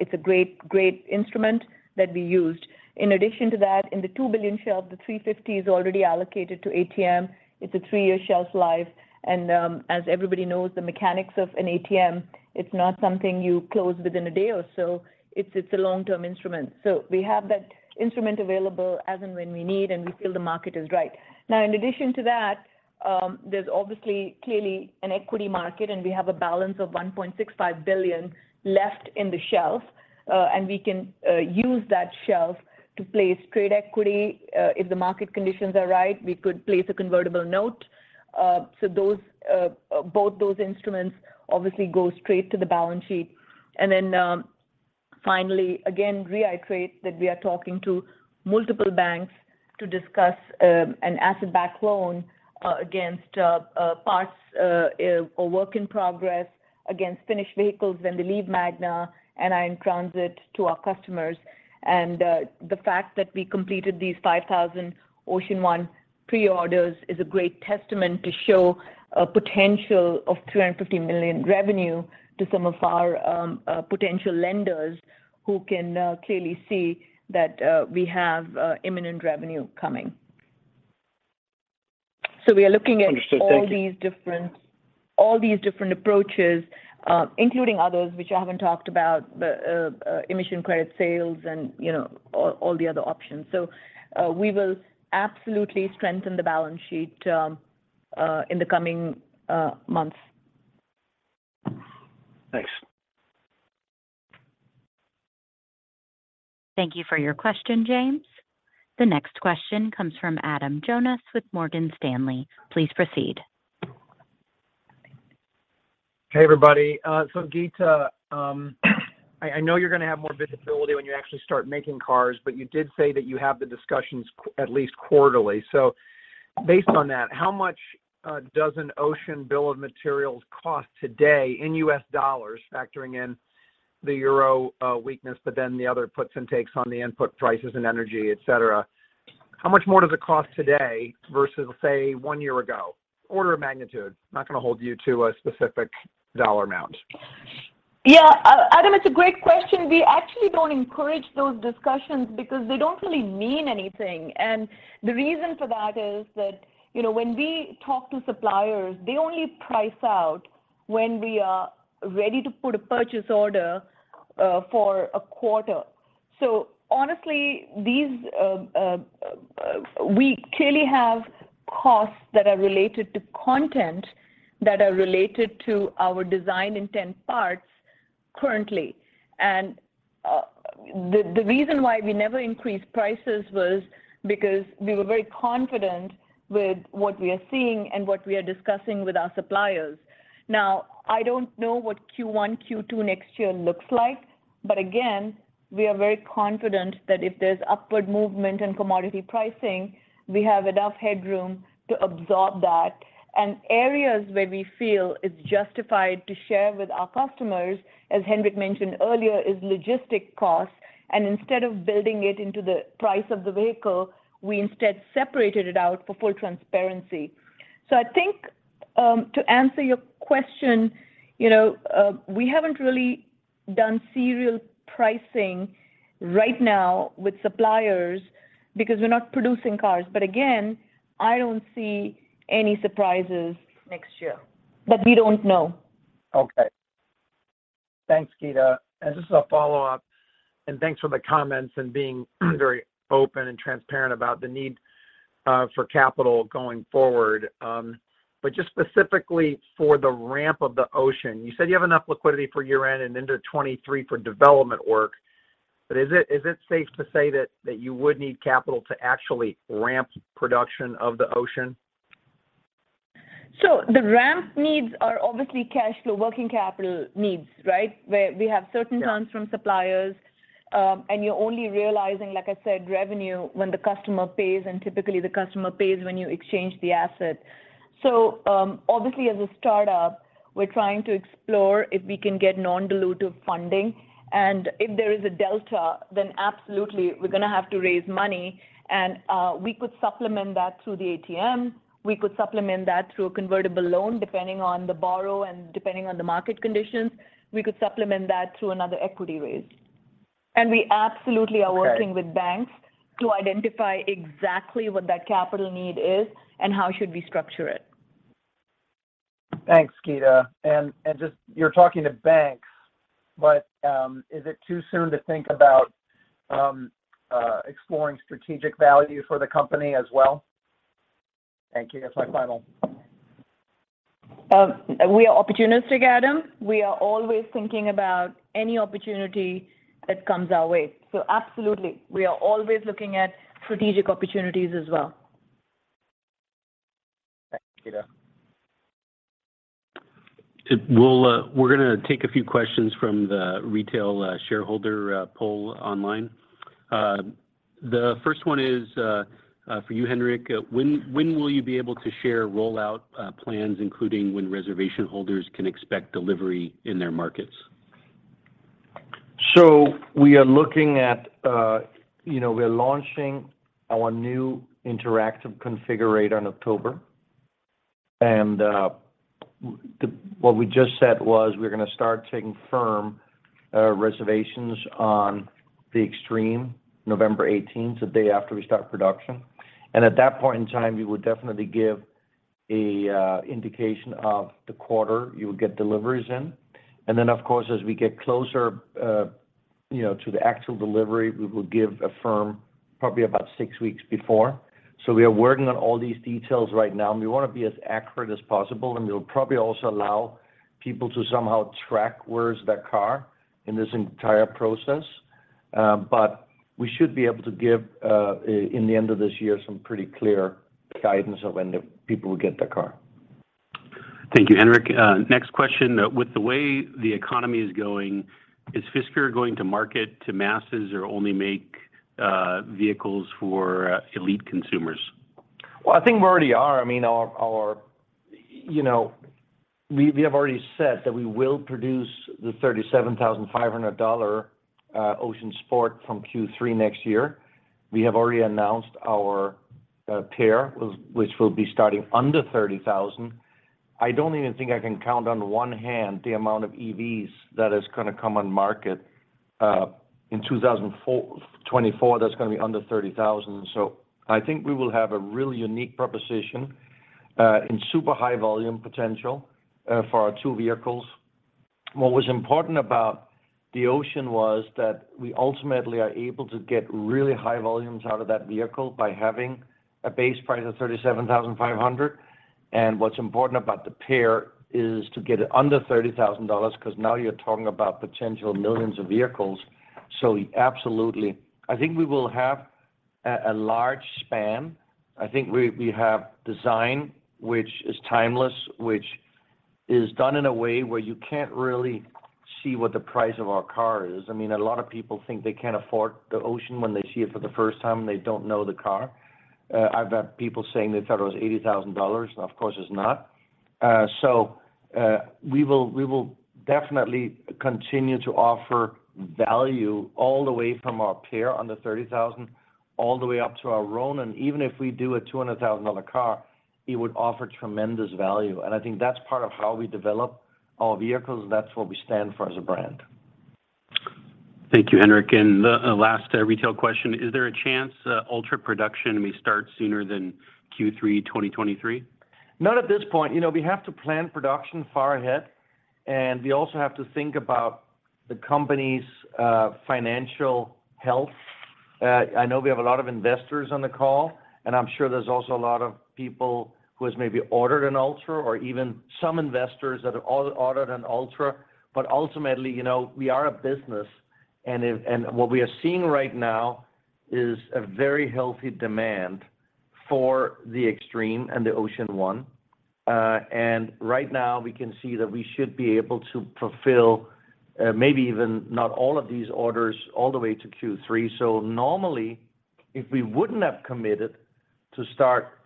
It's a great instrument that we used. In addition to that, in the $2 billion shelf, the $350 is already allocated to ATM. It's a three-year shelf life. As everybody knows, the mechanics of an ATM, it's not something you close within a day or so. It's a long-term instrument. We have that instrument available as and when we need, and we feel the market is right. Now in addition to that, there's obviously, clearly an equity market, and we have a balance of $1.65 billion left in the shelf. We can use that shelf to place trade equity. If the market conditions are right, we could place a convertible note. Both those instruments obviously go straight to the balance sheet. Finally, again, reiterate that we are talking to multiple banks to discuss an asset-backed loan against parts or work in progress against finished vehicles when they leave Magna and are in transit to our customers. The fact that we completed these 5,000 Ocean One pre-orders is a great testament to show a potential of $350 million revenue to some of our potential lenders who can clearly see that we have imminent revenue coming. We are looking at- Understood. Thank you. all these different approaches, including others, which I haven't talked about. The emission credit sales and, you know, all the other options. We will absolutely strengthen the balance sheet in the coming months. Thanks. Thank you for your question, James. The next question comes from Adam Jonas with Morgan Stanley. Please proceed. Hey, everybody. Geeta, I know you're gonna have more visibility when you actually start making cars, but you did say that you have the discussions at least quarterly. Based on that, how much does an Ocean bill of materials cost today in U.S. dollars, factoring in the euro weakness, but then the other puts and takes on the input prices and energy, et cetera? How much more does it cost today versus, say, one year ago? Order of magnitude. Not gonna hold you to a specific dollar amount. Yeah. Adam, it's a great question. We actually don't encourage those discussions because they don't really mean anything. The reason for that is that, you know, when we talk to suppliers, they only price out when we are ready to put a purchase order for a quarter. Honestly, we clearly have costs that are related to content that are related to our design intent parts currently. The reason why we never increased prices was because we were very confident with what we are seeing and what we are discussing with our suppliers. Now, I don't know what Q1, Q2 next year looks like, but again, we are very confident that if there's upward movement in commodity pricing, we have enough headroom to absorb that. Areas where we feel it's justified to share with our customers, as Henrik mentioned earlier, is logistics costs, and instead of building it into the price of the vehicle, we instead separated it out for full transparency. I think, to answer your question, you know, we haven't really done serial pricing right now with suppliers because we're not producing cars. Again, I don't see any surprises next year. We don't know. Okay. Thanks, Geeta. Just as a follow-up, and thanks for the comments and being very open and transparent about the need for capital going forward. Just specifically for the ramp of the Ocean, you said you have enough liquidity for year-end and into 2023 for development work, but is it safe to say that you would need capital to actually ramp production of the Ocean? The ramp needs are obviously cash flow, working capital needs, right? Where we have- Yeah Certain terms from suppliers, and you're only realizing, like I said, revenue when the customer pays, and typically the customer pays when you exchange the asset. Obviously as a startup, we're trying to explore if we can get non-dilutive funding. If there is a delta, then absolutely we're gonna have to raise money and we could supplement that through the ATM. We could supplement that through a convertible loan, depending on the borrower and depending on the market conditions. We could supplement that through another equity raise. We absolutely are working. Okay with banks to identify exactly what that capital need is and how should we structure it. Thanks, Geeta. Just you're talking to banks, but is it too soon to think about exploring strategic value for the company as well? Thank you. That's my final. We are opportunistic, Adam. We are always thinking about any opportunity that comes our way. Absolutely. We are always looking at strategic opportunities as well. Thanks, Geeta. We're gonna take a few questions from the retail shareholder poll online. The first one is for you, Henrik. When will you be able to share rollout plans, including when reservation holders can expect delivery in their markets? We are looking at, you know, we're launching our new interactive configurator in October. What we just said was we're gonna start taking firm reservations on the Ocean Extreme November 18th, the day after we start production. At that point in time, we would definitely give a indication of the quarter you would get deliveries in. Then of course, as we get closer, you know, to the actual delivery, we will give a firm probably about six weeks before. We are working on all these details right now, and we wanna be as accurate as possible, and we'll probably also allow people to somehow track where is their car in this entire process. We should be able to give, in the end of this year, some pretty clear guidance of when the people will get their car. Thank you, Henrik. Next question. With the way the economy is going, is Fisker going to market to masses or only make vehicles for elite consumers? Well, I think we already are. I mean, you know. We have already said that we will produce the $37,500 Ocean Sport from Q3 next year. We have already announced our PEAR, which will be starting under $30,000. I don't even think I can count on one hand the amount of EVs that is gonna come on market in 2024 that's gonna be under $30,000. I think we will have a really unique proposition and super high volume potential for our two vehicles. What was important about the Ocean was that we ultimately are able to get really high volumes out of that vehicle by having a base price of $37,500. What's important about the PEAR is to get it under $30,000, 'cause now you're talking about potential millions of vehicles. Absolutely. I think we will have a large span. I think we have design, which is timeless, which is done in a way where you can't really see what the price of our car is. I mean, a lot of people think they can't afford the Ocean when they see it for the first time and they don't know the car. I've had people saying they thought it was $80,000, and of course it's not. We will definitely continue to offer value all the way from our PEAR under $30,000 all the way up to our Ronin. Even if we do a $200,000 car, it would offer tremendous value. I think that's part of how we develop our vehicles. That's what we stand for as a brand. Thank you, Henrik. The last retail question. Is there a chance Ultra production may start sooner than Q3 2023? Not at this point. You know, we have to plan production far ahead, and we also have to think about the company's financial health. I know we have a lot of investors on the call, and I'm sure there's also a lot of people who has maybe ordered an Ultra or even some investors that have ordered an Ultra. Ultimately, you know, we are a business and what we are seeing right now is a very healthy demand for the Extreme and the Ocean One. Right now we can see that we should be able to fulfill maybe even not all of these orders all the way to Q3. Normally, if we wouldn't have committed to start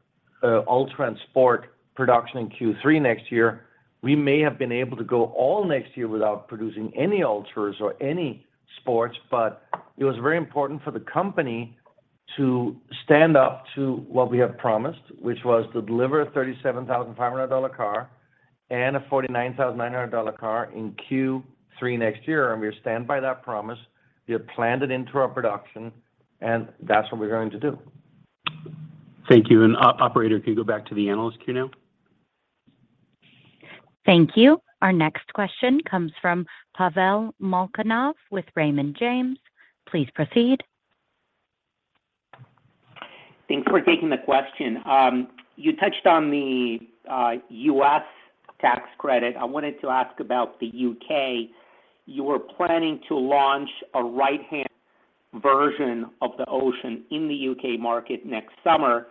Ultra and Sport production in Q3 next year, we may have been able to go all next year without producing any Ultras or any Sports. It was very important for the company to stand up to what we have promised, which was to deliver a $37,500 car and a $49,900 car in Q3 next year, and we stand by that promise. We have planned it into our production, and that's what we're going to do. Thank you. Operator, if you go back to the analyst queue now. Thank you. Our next question comes from Pavel Molchanov with Raymond James. Please proceed. Thanks for taking the question. You touched on the U.S. tax credit. I wanted to ask about the U.K. You were planning to launch a right-hand version of the Ocean in the U.K. market next summer.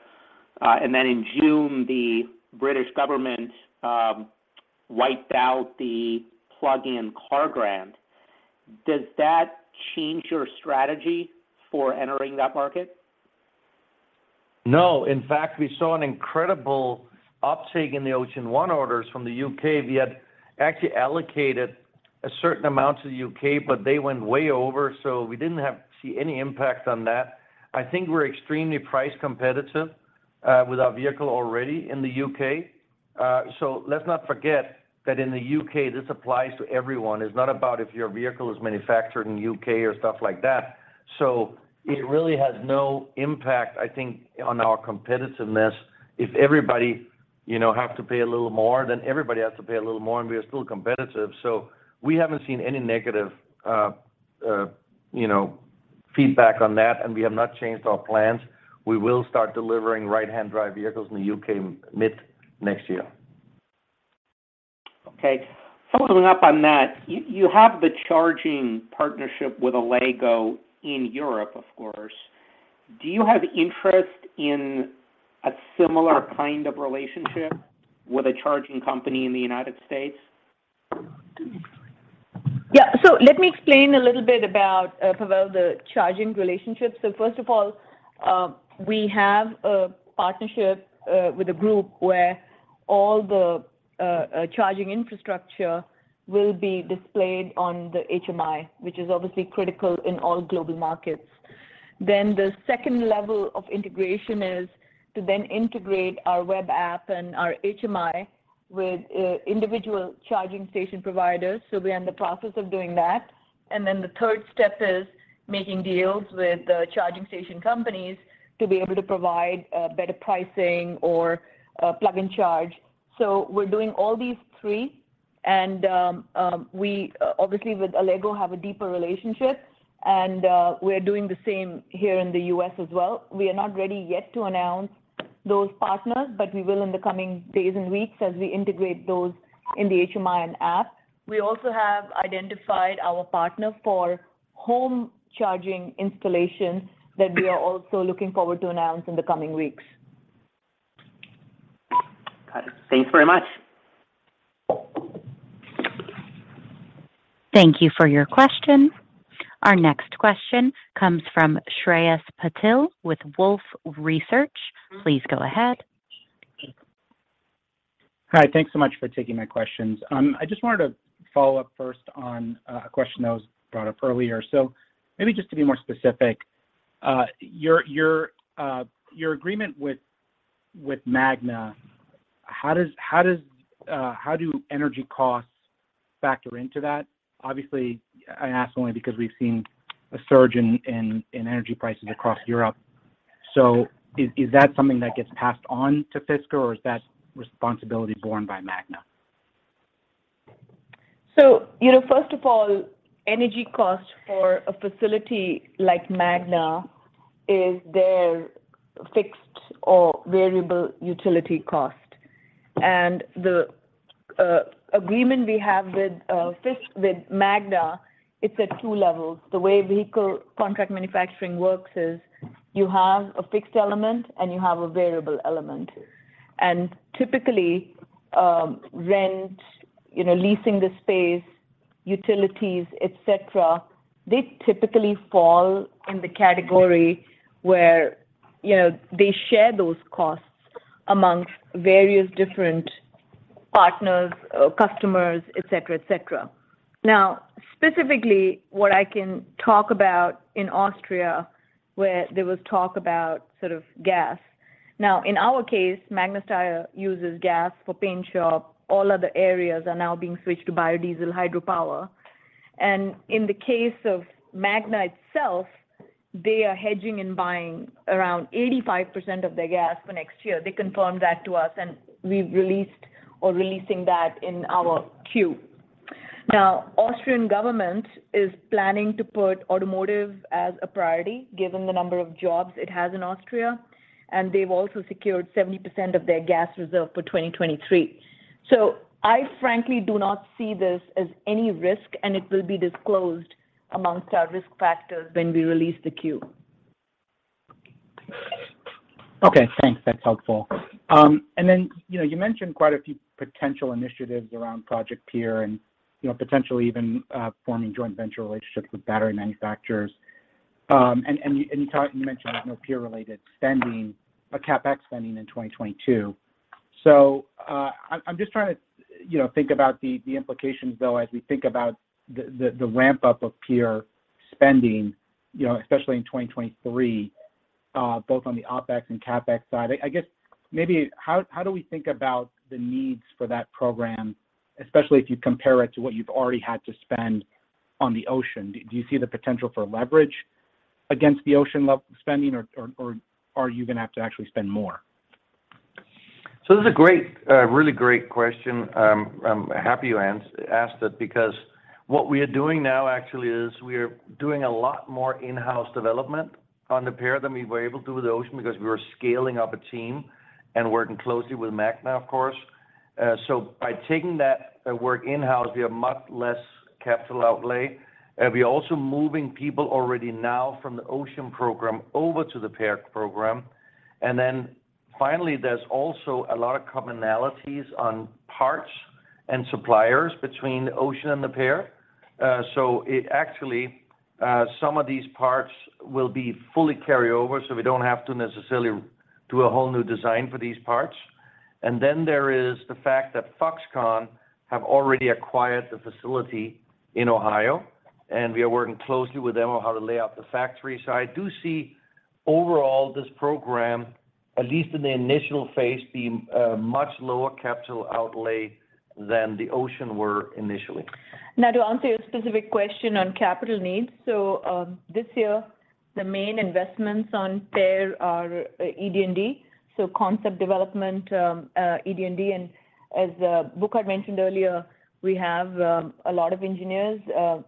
In June, the British government wiped out the plug-in car grant. Does that change your strategy for entering that market? No. In fact, we saw an incredible uptake in the Ocean One orders from the U.K. We had actually allocated a certain amount to the U.K., but they went way over, so we didn't have to see any impact on that. I think we're extremely price competitive with our vehicle already in the U.K. Let's not forget that in the U.K. this applies to everyone. It's not about if your vehicle is manufactured in the U.K. or stuff like that. It really has no impact, I think, on our competitiveness. If everybody, you know, have to pay a little more, then everybody has to pay a little more, and we are still competitive. We haven't seen any negative, you know, feedback on that, and we have not changed our plans. We will start delivering right-hand drive vehicles in the U.K. mid next year. Okay. Following up on that, you have the charging partnership with Allego in Europe, of course. Do you have interest in a similar kind of relationship with a charging company in the United States? Yeah. Let me explain a little bit about Pavel, the charging relationship. First of all, we have a partnership with a group where all the charging infrastructure will be displayed on the HMI, which is obviously critical in all global markets. The second level of integration is to then integrate our web app and our HMI with individual charging station providers. We are in the process of doing that. The third step is making deals with the charging station companies to be able to provide better pricing or plug and charge. We're doing all these three and we obviously with Allego have a deeper relationship, and we're doing the same here in the U.S. as well. We are not ready yet to announce those partners, but we will in the coming days and weeks as we integrate those in the HMI and app. We also have identified our partner for home charging installations that we are also looking forward to announce in the coming weeks. Got it. Thanks very much. Thank you for your question. Our next question comes from Shreyas Patil with Wolfe Research. Please go ahead. Hi. Thanks so much for taking my questions. I just wanted to follow up first on a question that was brought up earlier. Maybe just to be more specific, your agreement with Magna, how do energy costs factor into that? Obviously, I ask only because we've seen a surge in energy prices across Europe. Is that something that gets passed on to Fisker or is that responsibility borne by Magna? You know, first of all, energy costs for a facility like Magna is their fixed or variable utility cost. The agreement we have with Magna, it's at two levels. The way vehicle contract manufacturing works is you have a fixed element and you have a variable element. Typically, rent, you know, leasing the space, utilities, et cetera, they typically fall in the category where, you know, they share those costs amongst various different partners or customers, et cetera. Now, specifically what I can talk about in Austria, where there was talk about sort of gas. In our case, Magna Steyr uses gas for paint shop. All other areas are now being switched to biodiesel hydropower. In the case of Magna itself, they are hedging and buying around 85% of their gas for next year. They confirmed that to us, and we've released or releasing that in our 10-Q. Austrian government is planning to put automotive as a priority, given the number of jobs it has in Austria, and they've also secured 70% of their gas reserve for 2023. I frankly do not see this as any risk, and it will be disclosed among our risk factors when we release the 10-Q. Okay, thanks. That's helpful. Then, you know, you mentioned quite a few potential initiatives around Project PEAR and, you know, potentially even forming joint venture relationships with battery manufacturers. You mentioned there's no PEAR-related spending, CapEx spending in 2022. I'm just trying to, you know, think about the implications, though, as we think about the ramp-up of PEAR spending, you know, especially in 2023, both on the OpEx and CapEx side. I guess maybe how do we think about the needs for that program, especially if you compare it to what you've already had to spend on the Ocean? Do you see the potential for leverage against the Ocean spending or are you gonna have to actually spend more? This is a great, a really great question. I'm happy you asked it because what we are doing now actually is we are doing a lot more in-house development on the PEAR than we were able to with the Ocean because we were scaling up a team and working closely with Magna, of course. By taking that work in-house, we have much less capital outlay. We're also moving people already now from the Ocean program over to the PEAR program. Then finally, there's also a lot of commonalities on parts and suppliers between Ocean and the PEAR. It actually, some of these parts will be fully carry over, so we don't have to necessarily do a whole new design for these parts. There is the fact that Foxconn have already acquired the facility in Ohio, and we are working closely with them on how to lay out the factory. I do see overall this program, at least in the initial phase, being a much lower capital outlay than the Ocean were initially. Now, to answer your specific question on capital needs. This year, the main investments on PEAR are ED&D, so concept development, ED&D. As Burkhard mentioned earlier, we have a lot of engineers,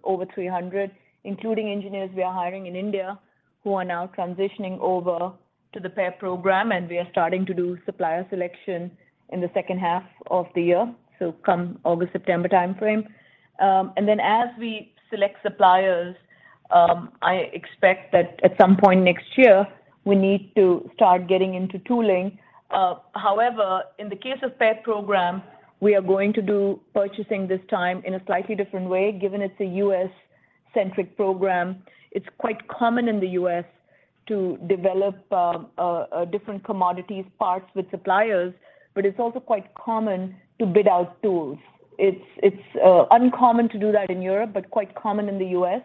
over 300, including engineers we are hiring in India, who are now transitioning over to the PEAR program, and we are starting to do supplier selection in the second half of the year, so come August, September timeframe. As we select suppliers, I expect that at some point next year, we need to start getting into tooling. However, in the case of PEAR program, we are going to do purchasing this time in a slightly different way, given it's a U.S.-centric program. It's quite common in the U.S. to develop different commodities parts with suppliers, but it's also quite common to bid out tools. It's uncommon to do that in Europe, but quite common in the US.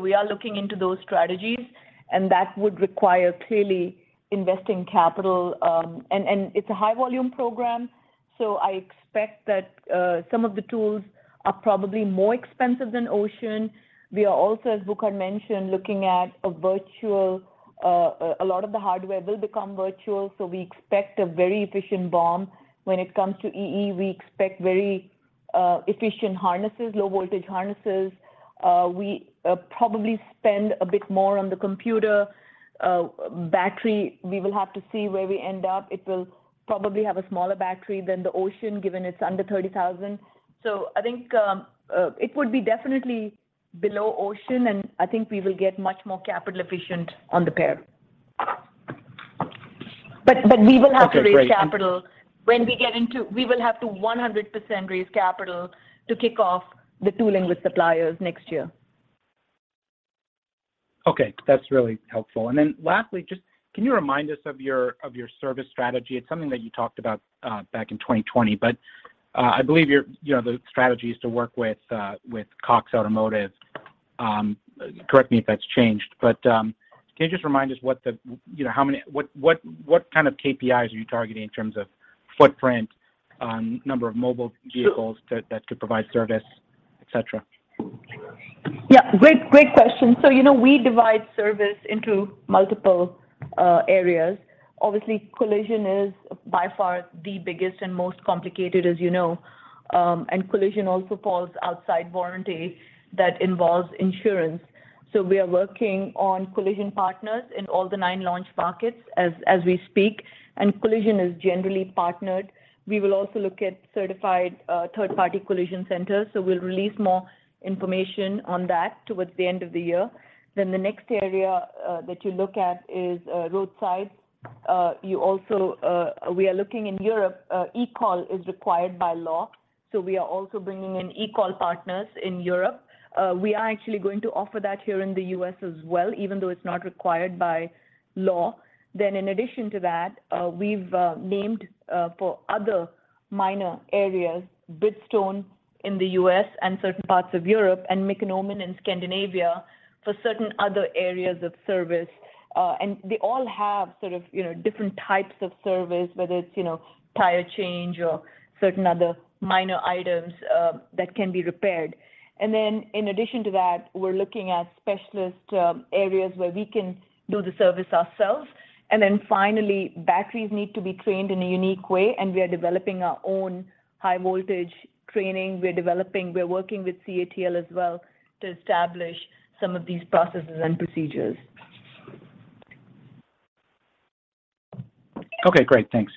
We are looking into those strategies, and that would require clearly investing capital. It's a high volume program, so I expect that some of the tools are probably more expensive than Ocean. We are also, as Burkhard mentioned, looking at a lot of the hardware will become virtual, so we expect a very efficient BOM. When it comes to EE, we expect very efficient harnesses, low voltage harnesses. We probably spend a bit more on the computer, battery. We will have to see where we end up. It will probably have a smaller battery than the Ocean, given it's under $30,000. I think it would be definitely below Ocean, and I think we will get much more capital efficient on the PEAR. We will have to 100% raise capital to kick off the tooling with suppliers next year. Okay. That's really helpful. Lastly, just can you remind us of your service strategy? It's something that you talked about back in 2020, but I believe your, you know, the strategy is to work with Cox Automotive. Correct me if that's changed, but can you just remind us what kind of KPIs are you targeting in terms of footprint, number of mobile vehicles that could provide service, et cetera? Great question. You know, we divide service into multiple areas. Obviously, collision is by far the biggest and most complicated, as you know. Collision also falls outside warranty that involves insurance. We are working on collision partners in all the nine launch markets as we speak, and collision is generally partnered. We will also look at certified third-party collision centers, so we'll release more information on that toward the end of the year. The next area that you look at is roadside. We are looking in Europe, eCall is required by law, so we are also bringing in eCall partners in Europe. We are actually going to offer that here in the U.S. as well, even though it's not required by law. In addition to that, we've named for other minor areas, Bridgestone in the U.S. and certain parts of Europe, and Mekonomen in Scandinavia for certain other areas of service. They all have sort of, you know, different types of service, whether it's, you know, tire change or certain other minor items, that can be repaired. In addition to that, we're looking at specialist areas where we can do the service ourselves. Finally, batteries need to be trained in a unique way, and we are developing our own high-voltage training. We're working with CATL as well to establish some of these processes and procedures. Okay, great. Thanks.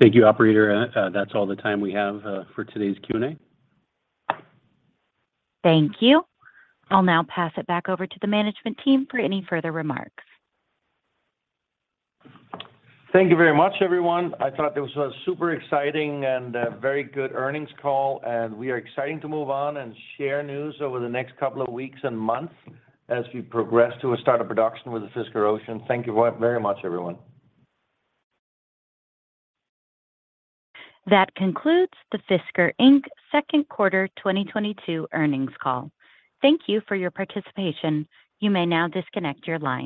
Thank you, operator. That's all the time we have for today's Q&A. Thank you. I'll now pass it back over to the management team for any further remarks. Thank you very much, everyone. I thought it was a super exciting and a very good earnings call, and we are excited to move on and share news over the next couple of weeks and months as we progress to a start of production with the Fisker Ocean. Thank you very much, everyone. That concludes the Fisker Inc. second quarter 2022 earnings call. Thank you for your participation. You may now disconnect your line.